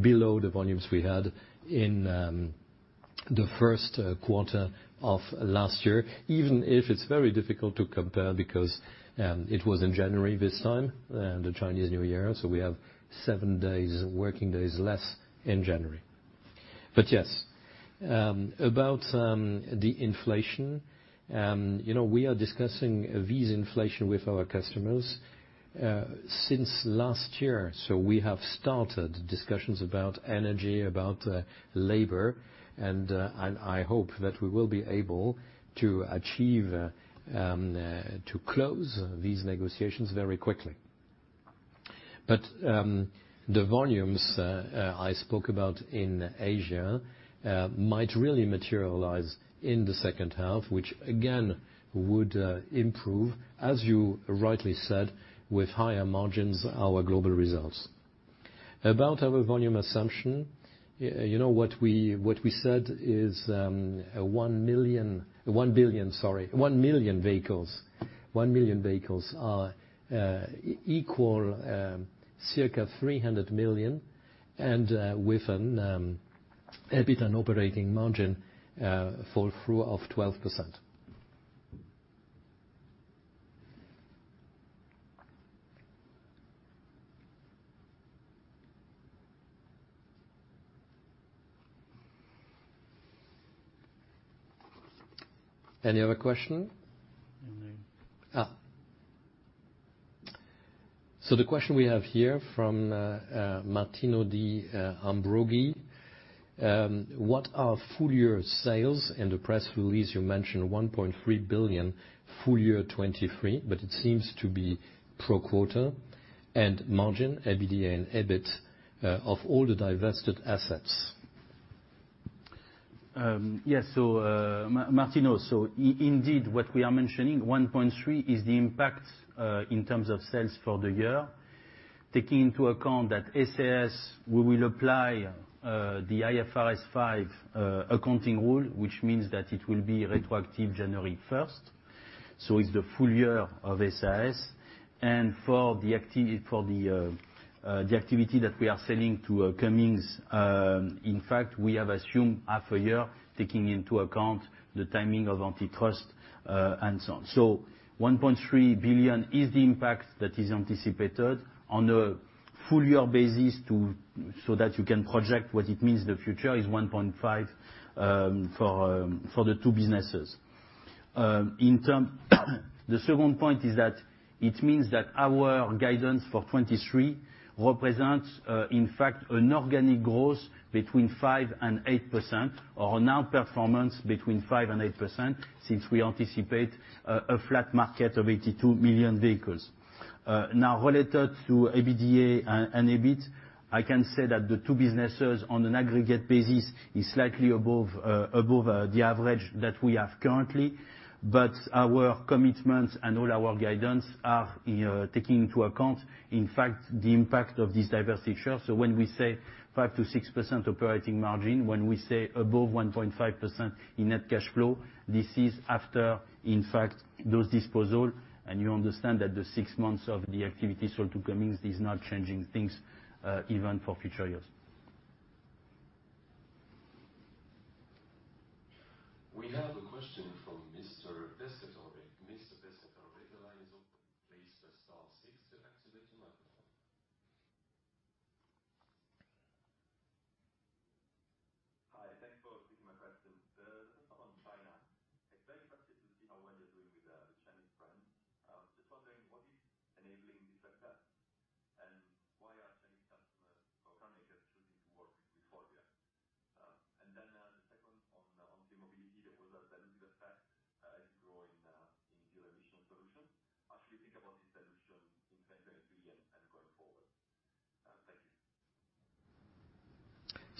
below the volumes we had in the first quarter of last year, even if it's very difficult to compare because it was in January this time, the Chinese New Year, so we have seven working days less in January. Yes, about the inflation, you know, we are discussing these inflation with our customers since last year. We have started discussions about energy, about labor, and I hope that we will be able to achieve to close these negotiations very quickly. The volumes I spoke about in Asia might really materialize in the second half, which again would improve, as you rightly said, with higher margins our global results. About our volume assumption, you know, what we said is one billion, sorry, one million vehicles are equal circa 300 million and with an EBIT and operating margin fall through of 12%. Any other question? Nothing. The question we have here from Martino De Ambroggii, what are full-year sales? In the press release, you mentioned 1.3 billion full-year 2023, but it seems to be pro quota and margin, EBITDA and EBIT, of all the divested assets. Yes, Martino. Indeed, what we are mentioning, 1.3 is the impact in terms of sales for the year, taking into account that “SAS”, we will apply the IFRS 5 accounting rule, which means that it will be retroactive January 1st. It's the full-year of “SAS”. And for the activity that we are selling to Cummins, in fact, we have assumed half a year, taking into account the timing of antitrust and so on. 1.3 billion is the impact that is anticipated on a full-year basis to so that you can project what it means the future is 1.5 for the two businesses. The second point is that it means that our guidance for 2023 represents, in fact, an organic growth between 5% and 8% or an outperformance between 5% and 8%, since we anticipate a flat market of 82 million vehicles. Now related to EBITDA and EBIT, I can say that the two businesses on an aggregate basis is slightly above the average that we have currently. Our commitments and all our guidance are taking into account, in fact, the impact of this diversification. When we say 5%-6% operating margin, when we say above 1.5% in net cash flow, this is after, in fact, those disposal. You understand that the six months of the activity sold to Cummins is not changing things even for future years. We have a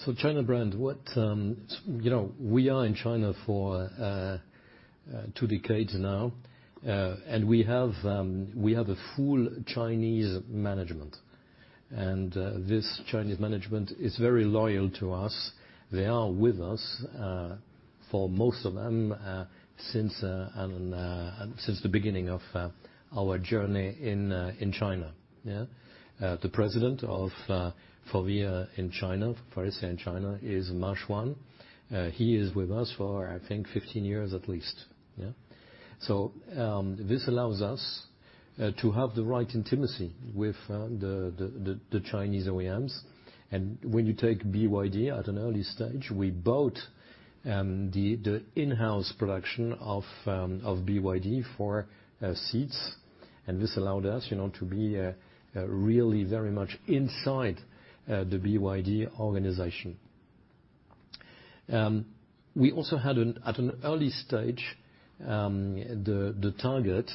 question from Mr. Besetovic. Mr. Besetovic, the line is open. Please press star 6 to activate your microphone. Hi, thanks for taking my question. On China, I was very interested to see how well you're doing with the Chinese brand. Just wondering what is enabling this success, and why are Chinese customers or carmakers choosing to work with FORVIA? The second on Clean Mobility, there was a dilutive effect, as you grow in fuel emission solution. How should we think about this dilution in 2023 and going forward? Thank you. China brand, what, you know, we are in China for two decades now. We have a full Chinese management. This Chinese management is very loyal to us. They are with us for most of them since and since the beginning of our journey in China. The president of FORVIA in China, Faurecia in China, is Ma Chuan. He is with us for, I think, 15 years at least. This allows us to have the right intimacy with the Chinese OEMs. When you take BYD at an early stage, we bought the in-house production of BYD for seats. This allowed us, you know, to be really very much inside the BYD organization. We also had at an early stage, the target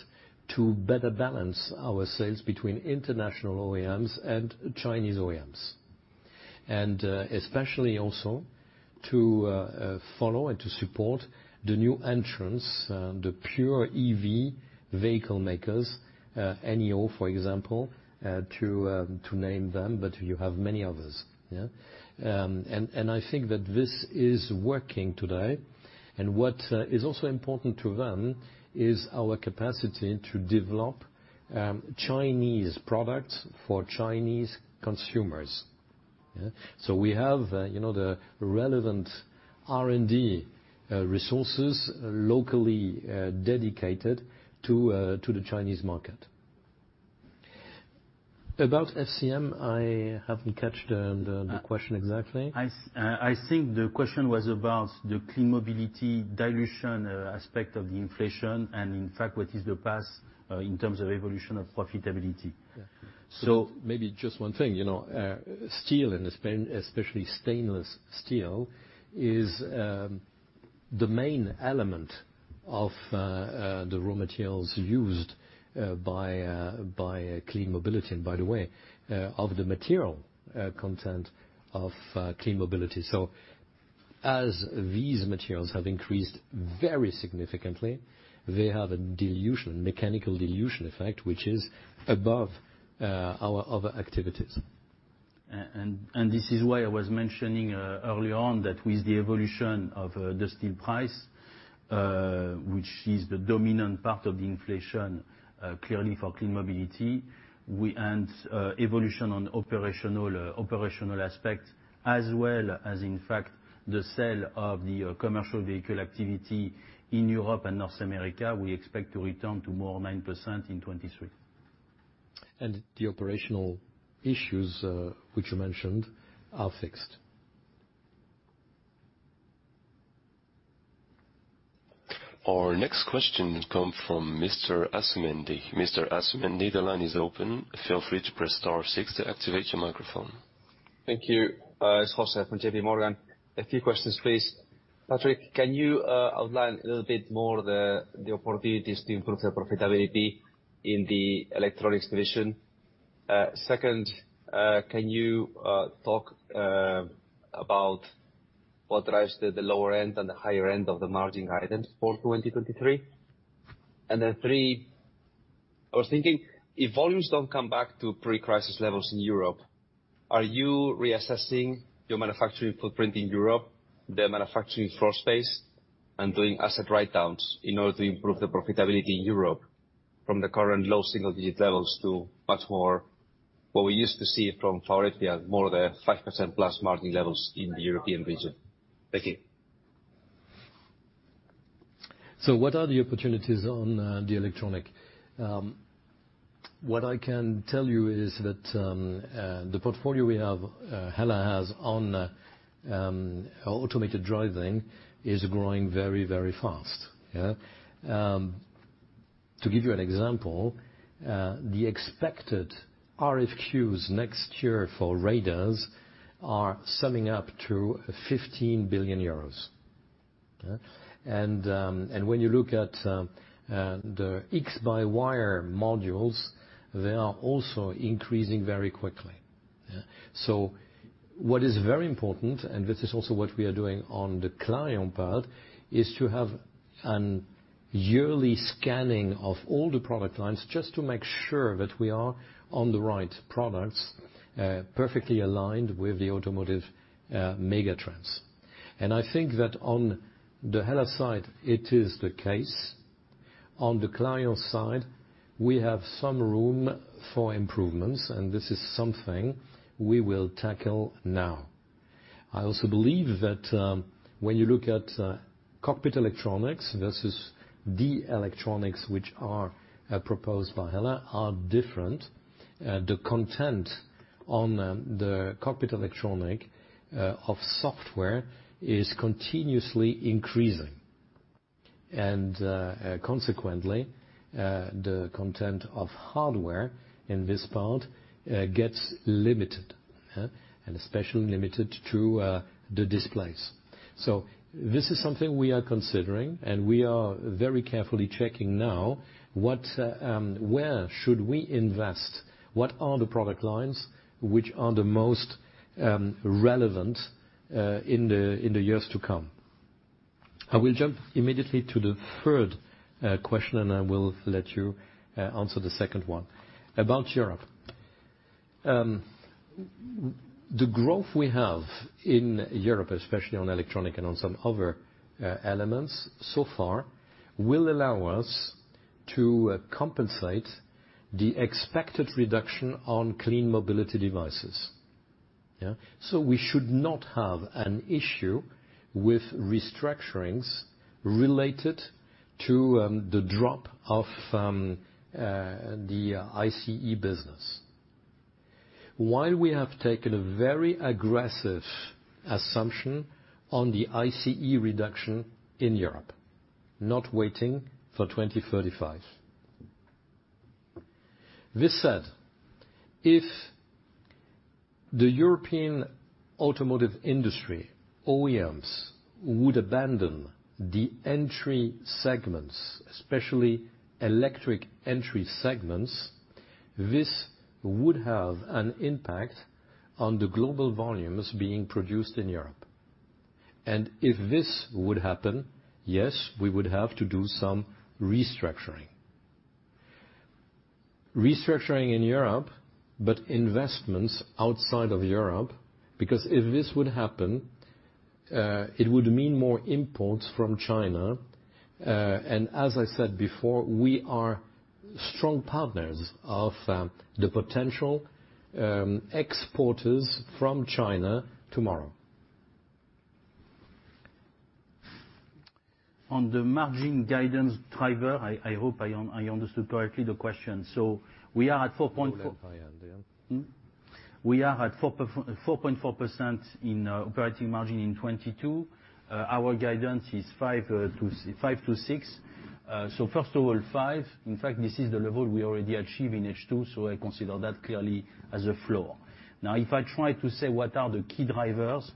to better balance our sales between international OEMs and Chinese OEMs, and especially also to follow and to support the new entrants, the pure EV vehicle makers, NIO, for example, to name them, but you have many others, yeah. I think that this is working today. What is also important to them is our capacity to develop Chinese products for Chinese consumers. Yeah. We have, you know, the relevant R&D resources locally, dedicated to the Chinese market. About FCM, I haven't caught the question exactly. I think the question was about the Clean Mobility dilution aspect of the inflation and in fact what is the path in terms of evolution of profitability. Maybe just one thing, you know, steel and especially stainless steel is the main element of the raw materials used by Clean Mobility, and by the way, of the material content of Clean Mobility. As these materials have increased very significantly, they have a dilution, mechanical dilution effect, which is above our other activities. This is why I was mentioning early on that with the evolution of the steel price, which is the dominant part of the inflation, clearly for Clean Mobility, we and evolution on operational aspect, as well as in fact, the sale of the commercial vehicle activity in Europe and North America, we expect to return to more 9% in 2023. The operational issues, which you mentioned are fixed. Our next question come from Mr. Asumendi. Mr. Asumendi, the line is open. Feel free to press star six to activate your microphone. Thank you. It's José from JPMorgan. A few questions, please. Patrick, can you outline a little bit more the opportunities to improve the profitability in the Electronics division? Second, can you talk about what drives the lower end and the higher end of the margin items for 2023? Three, I was thinking, if volumes don't come back to pre-crisis levels in Europe, are you reassessing your manufacturing footprint in Europe, the manufacturing floor space, and doing asset writedowns in order to improve the profitability in Europe from the current low single-digit levels to much more what we used to see from Faurecia, more of the 5%+ margin levels in the European region? Thank you. What are the opportunities on the Electronic? What I can tell you is that the portfolio we have, HELLA has on automated driving is growing very fast. Yeah. To give you an example, the expected RFQs next year for radars are summing up to 15 billion euros. Yeah. When you look at the X-by-wire modules, they are also increasing very quickly. Yeah. What is very important, and this is also what we are doing on the Clarion part, is to have an yearly scanning of all the product lines just to make sure that we are on the right products, perfectly aligned with the automotive mega trends. I think that on the HELLA side, it is the case. On the client side, we have some room for improvements, this is something we will tackle now. I also believe that when you look at cockpit Electronics versus the Electronics which are proposed by HELLA are different. The content on the cockpit Electronic of software is continuously increasing. Consequently, the content of hardware in this part gets limited, yeah, and especially limited to the displays. This is something we are considering, and we are very carefully checking now what where should we invest, what are the product lines which are the most relevant in the years to come. I will jump immediately to the third question, and I will let you answer the second one. About Europe. The growth we have in Europe, especially on Electronic and on some other elements so far, will allow us to compensate the expected reduction on Clean Mobility devices. Yeah. We should not have an issue with restructurings related to the drop of the ICE business. Why we have taken a very aggressive assumption on the ICE reduction in Europe, not waiting for 2035. This said, if the European automotive industry, OEMs, would abandon the entry segments, especially electric entry segments, this would have an impact on the global volumes being produced in Europe. If this would happen, yes, we would have to do some restructuring. Restructuring in Europe, but investments outside of Europe, because if this would happen, it would mean more imports from China. As I said before, we are strong partners of the potential exporters from China tomorrow. On the margin guidance driver, I hope I understood correctly the question. We are at. You will have We are at 4.4% in operating margin in 2022. Our guidance is 5%-6%. First of all, 5%. In fact, this is the level we already achieve in H2, so I consider that clearly as a floor. Now, if I try to say what are the key drivers,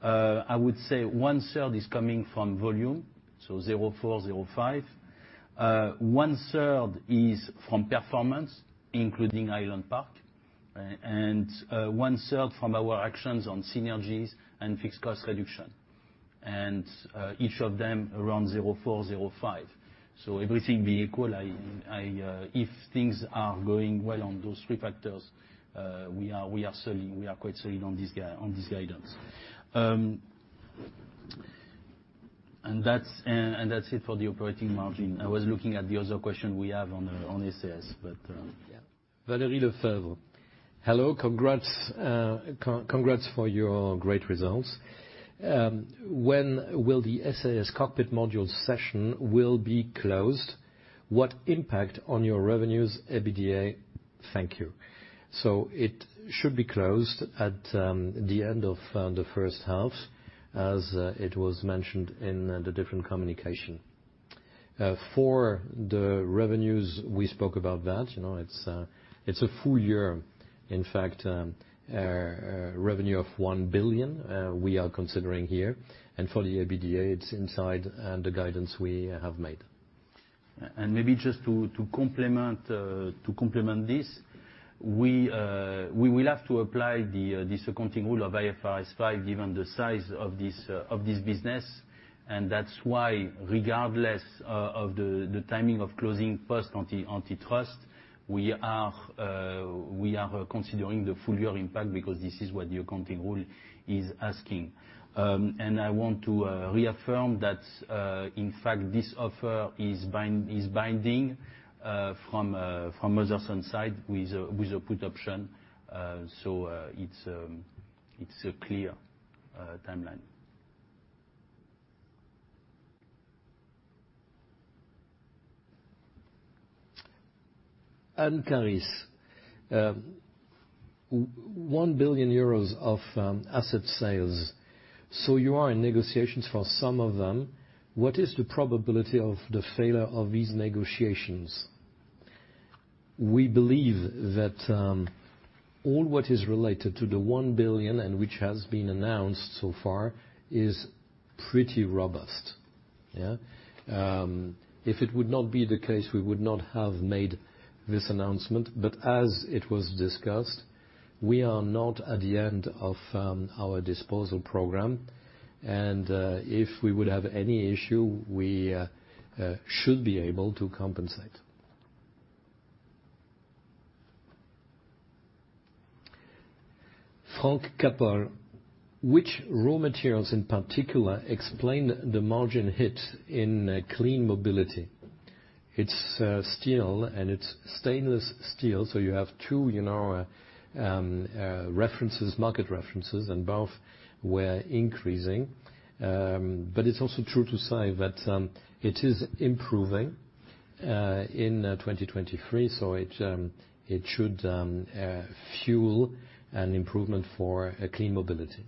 I would say 1/3 is coming from volume, so 0.4%, 0.5%. 1/3 is from performance, including Highland Park, right? 1/3 from our actions on synergies and fixed cost reduction. Each of them around 0.4%, 0.5%. Everything being equal, I, if things are going well on those three factors, we are quite selling on this guidance. And that's it for the operating margin. I was looking at the other question we have on “SAS”, but yeah. Valerie Lefevre. Hello. Congrats, congrats for your great results. When will the “SAS” Cockpit Modules session will be closed? What impact on your revenues, EBITDA? Thank you. It should be closed at the end of the first half, as it was mentioned in the different communication. For the revenues, we spoke about that. You know, it's a full-year. In fact, revenue of 1 billion we are considering here. For the EBITDA, it's inside the guidance we have made. Maybe just to complement this, we will have to apply this accounting rule of IFRS 5 given the size of this business. That's why, regardless of the timing of closing first antitrust, we are considering the full-year impact because this is what the accounting rule is asking. I want to reaffirm that in fact this offer is binding from Motherson's side with a put option. So, it's a clear timeline. Anna-Maria Scarsella. 1 billion euros of asset sales. You are in negotiations for some of them. What is the probability of the failure of these negotiations? We believe that all what is related to the 1 billion and which has been announced so far is pretty robust. Yeah. If it would not be the case, we would not have made this announcement. As it was discussed, we are not at the end of our disposal program. If we would have any issue, we should be able to compensate. Frank Schwope. Which raw materials in particular explain the margin hit in Clean Mobility? It's steel and it's stainless steel, so you have two, you know, references, market references, and both were increasing. It's also true to say that it is improving in 2023, so it should fuel an improvement for Clean Mobility.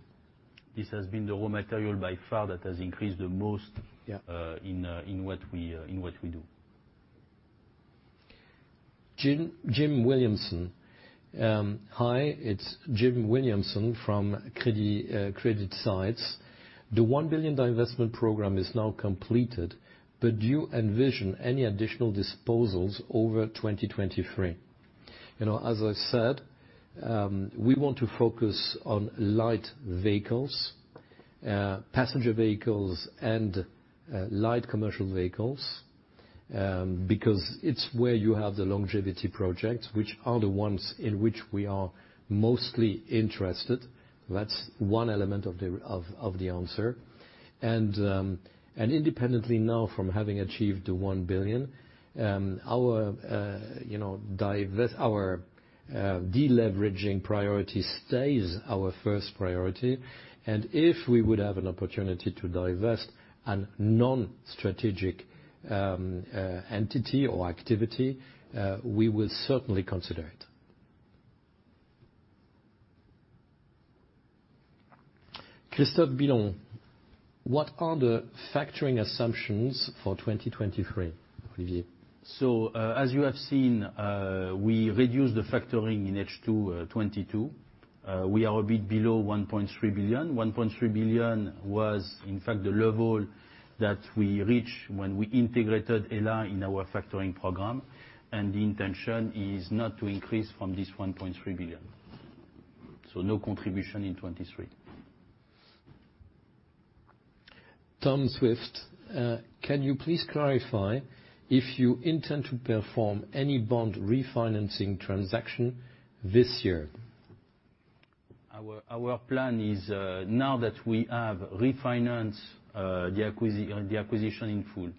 This has been the raw material by far that has increased the most in what we do. Jim Williamson. Hi, it's Jim Williamson from CreditSights. The EUR 1 billion divestment program is now completed. Do you envision any additional disposals over 2023? You know, as I said, we want to focus on light vehicles, passenger vehicles, and light commercial vehicles. Because it's where you have the longevity projects, which are the ones in which we are mostly interested. That's one element of the, of the answer. Independently now from having achieved the 1 billion, our, you know, this our deleveraging priority stays our first priority. If we would have an opportunity to divest a non-strategic entity or activity, we will certainly consider it. Christophe Boulanger. What are the factoring assumptions for 2023? Olivier. As you have seen, we reduced the factoring in H2 2022. We are a bit below 1.3 billion. 1.3 billion was in fact the level that we reached when we integrated HELLA in our factoring program, and the intention is not to increase from this 1.3 billion. No contribution in 2023. Thomas Besson. Can you please clarify if you intend to perform any bond refinancing transaction this year? Our plan is now that we have refinanced the acquisition in full,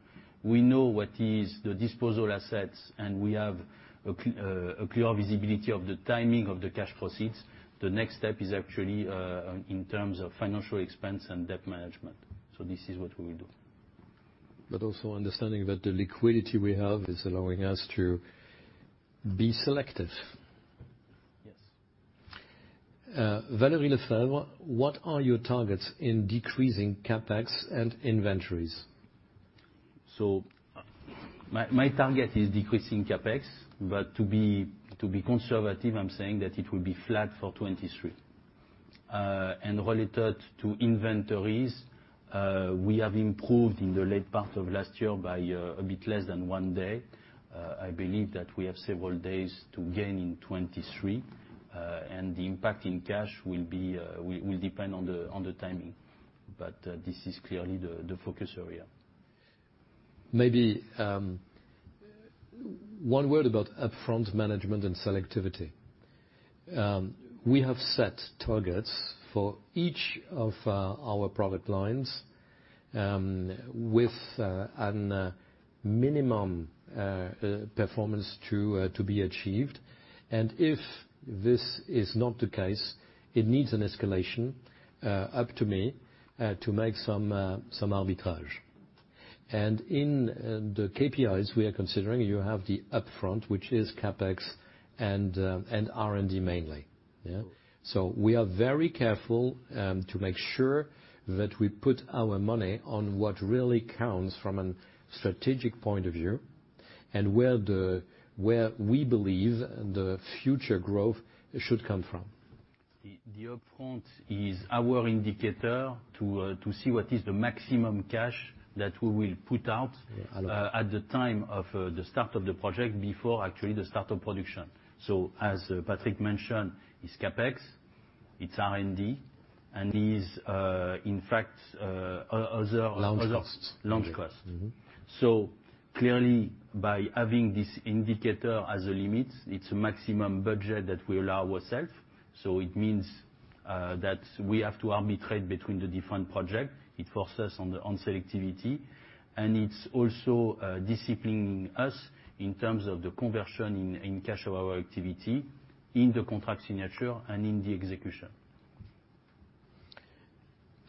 we know what is the disposal assets, and we have a clear visibility of the timing of the cash proceeds. The next step is actually in terms of financial expense and debt management. This is what we will do. Also understanding that the liquidity we have is allowing us to be selective. Yes. Valérie Lefebvre, what are your targets in decreasing CapEx and inventories? My target is decreasing CapEx, but to be conservative, I'm saying that it will be flat for 2023. Related to inventories, we have improved in the late part of last year by a bit less than one day. I believe that we have several days to gain in 2023, and the impact in cash will depend on the timing. This is clearly the focus area. Maybe one word about upfront management and selectivity. We have set targets for each of our product lines with a minimum performance to be achieved. If this is not the case, it needs an escalation up to me to make some arbitrage. In the KPIs we are considering, you have the upfront, which is CapEx and R&D mainly. Yeah. We are very careful to make sure that we put our money on what really counts from a strategic point of view and where we believe the future growth should come from. The upfront is our indicator to see what is the maximum cash that we will put out at the time of the start of the project before actually the start of production. As Patrick mentioned, it's CapEx, it's R&D, and these, in fact, other launch costs. Clearly, by having this indicator as a limit, it's a maximum budget that we allow ourselves. It means that we have to arbitrate between the different projects. It forces on selectivity, and it's also disciplining us in terms of the conversion in cash flow activity, in the contract signature, and in the execution.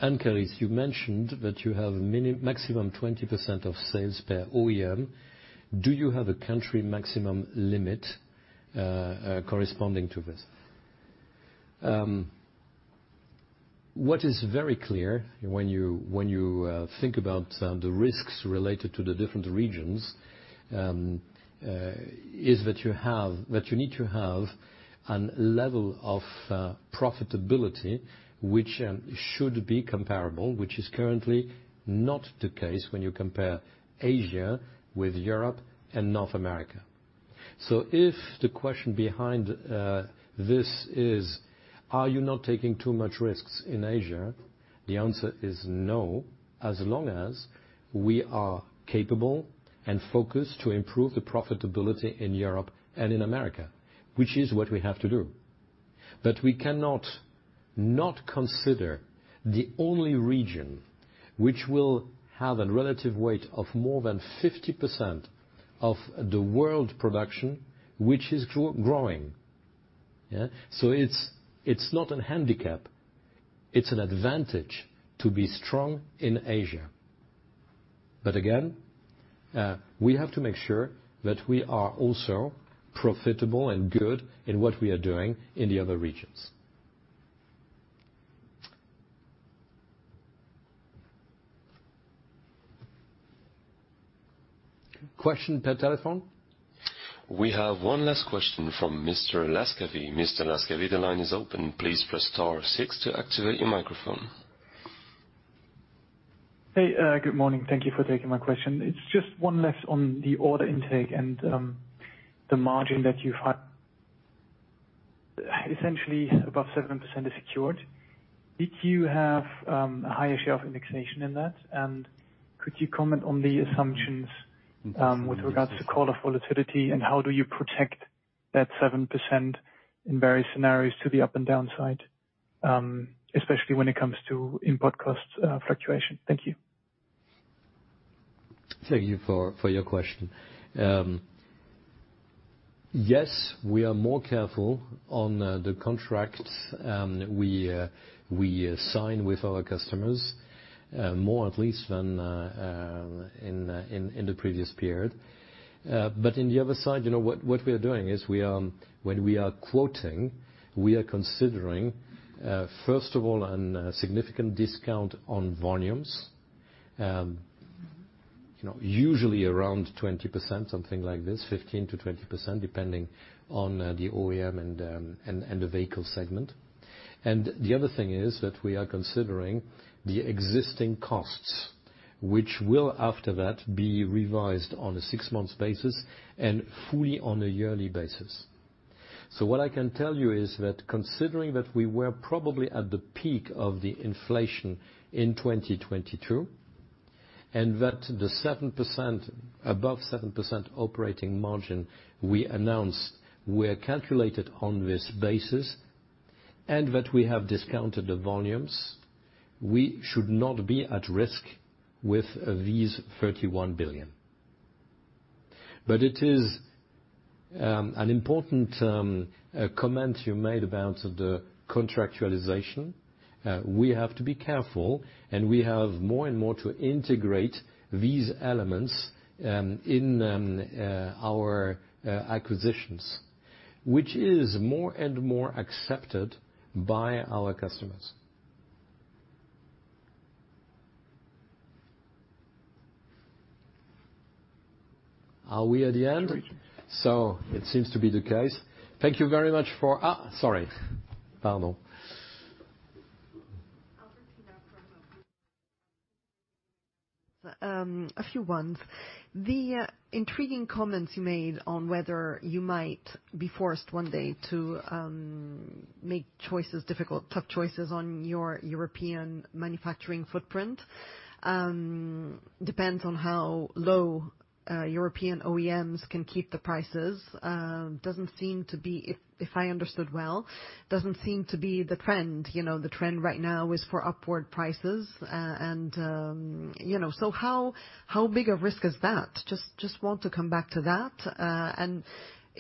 Charis, you mentioned that you have maximum 20% of sales per OEM. Do you have a country maximum limit corresponding to this? What is very clear, when you think about the risks related to the different regions, is that you need to have a level of profitability which should be comparable, which is currently not the case when you compare Asia with Europe and North America. If the question behind this is, are you not taking too much risks in Asia? The answer is no, as long as we are capable and focused to improve the profitability in Europe and in America, which is what we have to do. We cannot not consider the only region which will have a relative weight of more than 50% of the world production, which is growing. Yeah? It's not an handicap, it's an advantage to be strong in Asia. Again, we have to make sure that we are also profitable and good in what we are doing in the other regions. Question per telephone. We have one last question from Mr. Laskawi. Mr. Lascawi, the line is open. Please press star six to activate your microphone. Hey, good morning. Thank you for taking my question. It's just one last on the order intake and the margin that you've had. Essentially above 7% is secured. Did you have a higher share of indexation in that? Could you comment on the assumptions with regards to quarter volatility, and how do you protect that 7% in various scenarios to the up and down side, especially when it comes to input costs, fluctuation? Thank you. Thank you for your question. Yes, we are more careful on the contracts we sign with our customers, more at least than in the previous period. In the other side, you know, what we are doing is we when we are quoting, we are considering first of all, a significant discount on volumes. You know, usually around 20%, something like this, 15%-20%, depending on the OEM and the vehicle segment. The other thing is that we are considering the existing costs, which will after that be revised on a six-month basis and fully on a yearly basis. What I can tell you is that considering that we were probably at the peak of the inflation in 2022, and that the 7%, above 7% operating margin we announced were calculated on this basis, and that we have discounted the volumes, we should not be at risk with these 31 billion. It is an important comment you made about the contractualization. We have to be careful, and we have more and more to integrate these elements in our acquisitions, which is more and more accepted by our customers. Are we at the end? Sure. It seems to be the case. Thank you very much. Sorry. Pardon. Albertina from Bloomberg. A few ones. The intriguing comments you made on whether you might be forced one day to make choices, difficult, tough choices on your European manufacturing footprint, depends on how low European OEMs can keep the prices. Doesn't seem to be, if I understood well, doesn't seem to be the trend. You know, the trend right now is for upward prices. You know, so how big a risk is that? Just want to come back to that.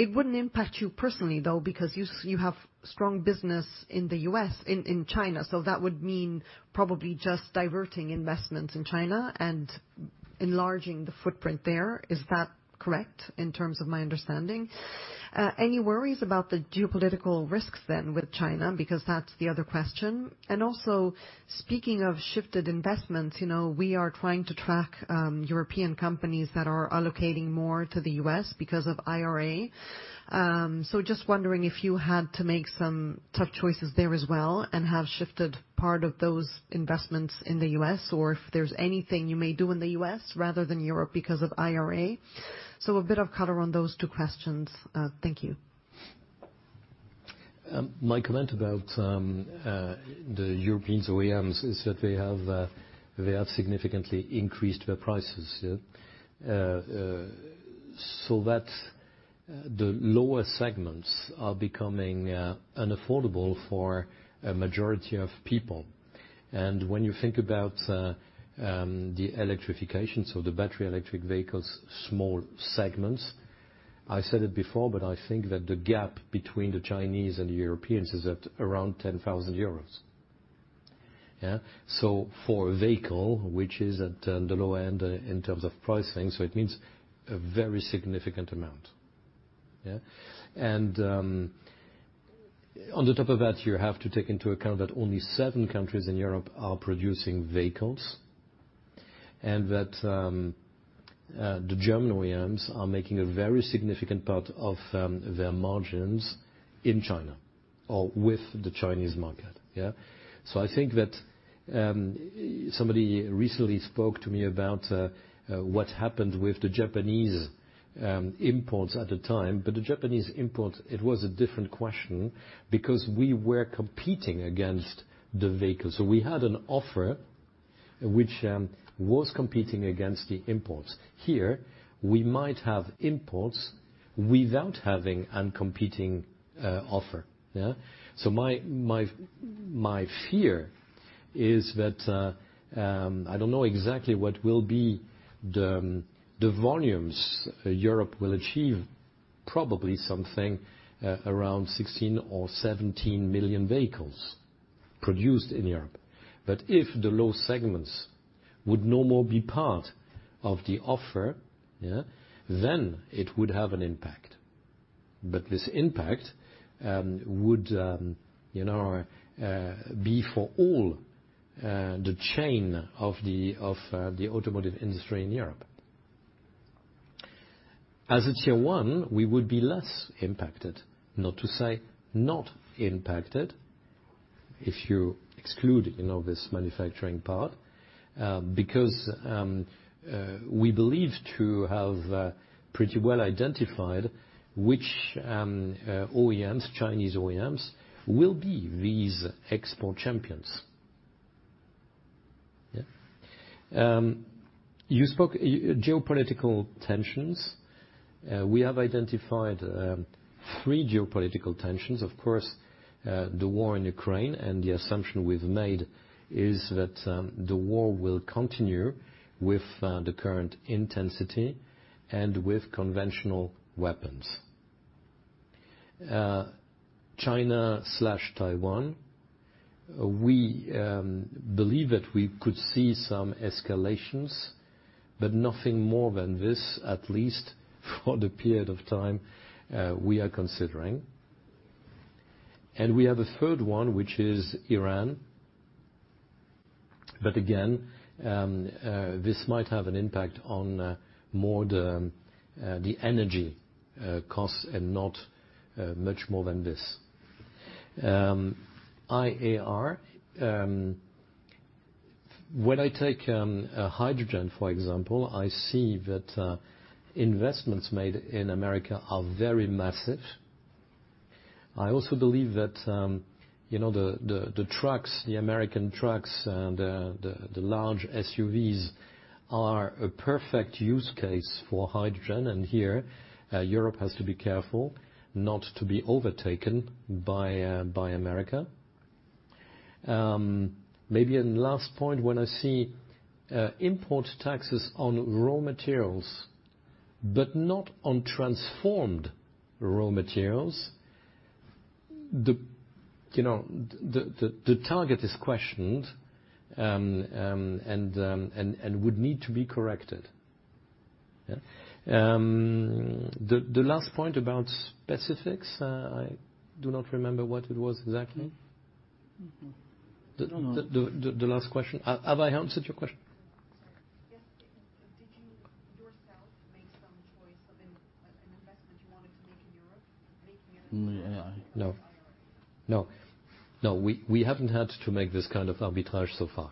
It wouldn't impact you personally though, because you have strong business in the U.S., in China. That would mean probably just diverting investments in China and enlarging the footprint there. Is that correct in terms of my understanding? Any worries about the geopolitical risks then with China? Because that's the other question. Also, speaking of shifted investments, you know, we are trying to track European companies that are allocating more to the U.S. because of IRA. Just wondering if you had to make some tough choices there as well, and have shifted part of those investments in the U.S., or if there's anything you may do in the U.S. rather than Europe because of IRA. A bit of color on those two questions. Thank you. My comment about the European OEMs is that they have significantly increased their prices. That's the lower segments are becoming unaffordable for a majority of people. When you think about the electrification, so the battery electric vehicles, small segments, I said it before, but I think that the gap between the Chinese and Europeans is at around 10,000 euros. For a vehicle which is at the low end in terms of pricing, it means a very significant amount. On the top of that, you have to take into account that only seven countries in Europe are producing vehicles, and that the German OEMs are making a very significant part of their margins in China or with the Chinese market. I think that somebody recently spoke to me about what happened with the Japanese imports at the time. The Japanese imports, it was a different question because we were competing against the vehicles. We had an offer which was competing against the imports. Here, we might have imports without having a competing offer. Yeah? My fear is that I don't know exactly what will be the volumes Europe will achieve, probably something around 16 or 17 million vehicles produced in Europe. If the low segments would no more be part of the offer, yeah, then it would have an impact. This impact would, you know, be for all the chain of the automotive industry in Europe. As a Tier 1, we would be less impacted, not to say, not impacted if you exclude, you know, this manufacturing part, because we believe to have pretty well identified which OEMs, Chinese OEMs will be these export champions. Yeah. You spoke geopolitical tensions. We have identified three geopolitical tensions. Of course, the war in Ukraine and the assumption we've made is that the war will continue with the current intensity and with conventional weapons. China/Taiwan, we believe that we could see some escalations, but nothing more than this, at least for the period of time we are considering. We have a third one, which is Iran. Again, this might have an impact on more the energy costs and not much more than this. IRA, when I take hydrogen, for example, I see that investments made in America are very massive. I also believe that, you know, the trucks, the American trucks, and the large SUVs are a perfect use case for hydrogen. Here, Europe has to be careful not to be overtaken by America. Maybe an last point when I see import taxes on raw materials, but not on transformed raw materials, the, you know, the target is questioned, and would need to be corrected. Yeah. The last point about specifics, I do not remember what it was exactly. I don't know. The last question. Have I answered your question? Yes. Did you yourself make some choice of an investment you wanted to make in Europe? No. No. No. We haven't had to make this kind of arbitrage so far.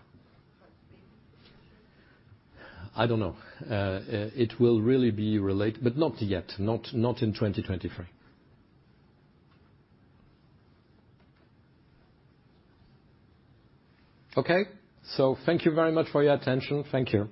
Okay. I don't know. It will really be relate, but not yet, not in 2023. Okay? Thank you very much for your attention. Thank you.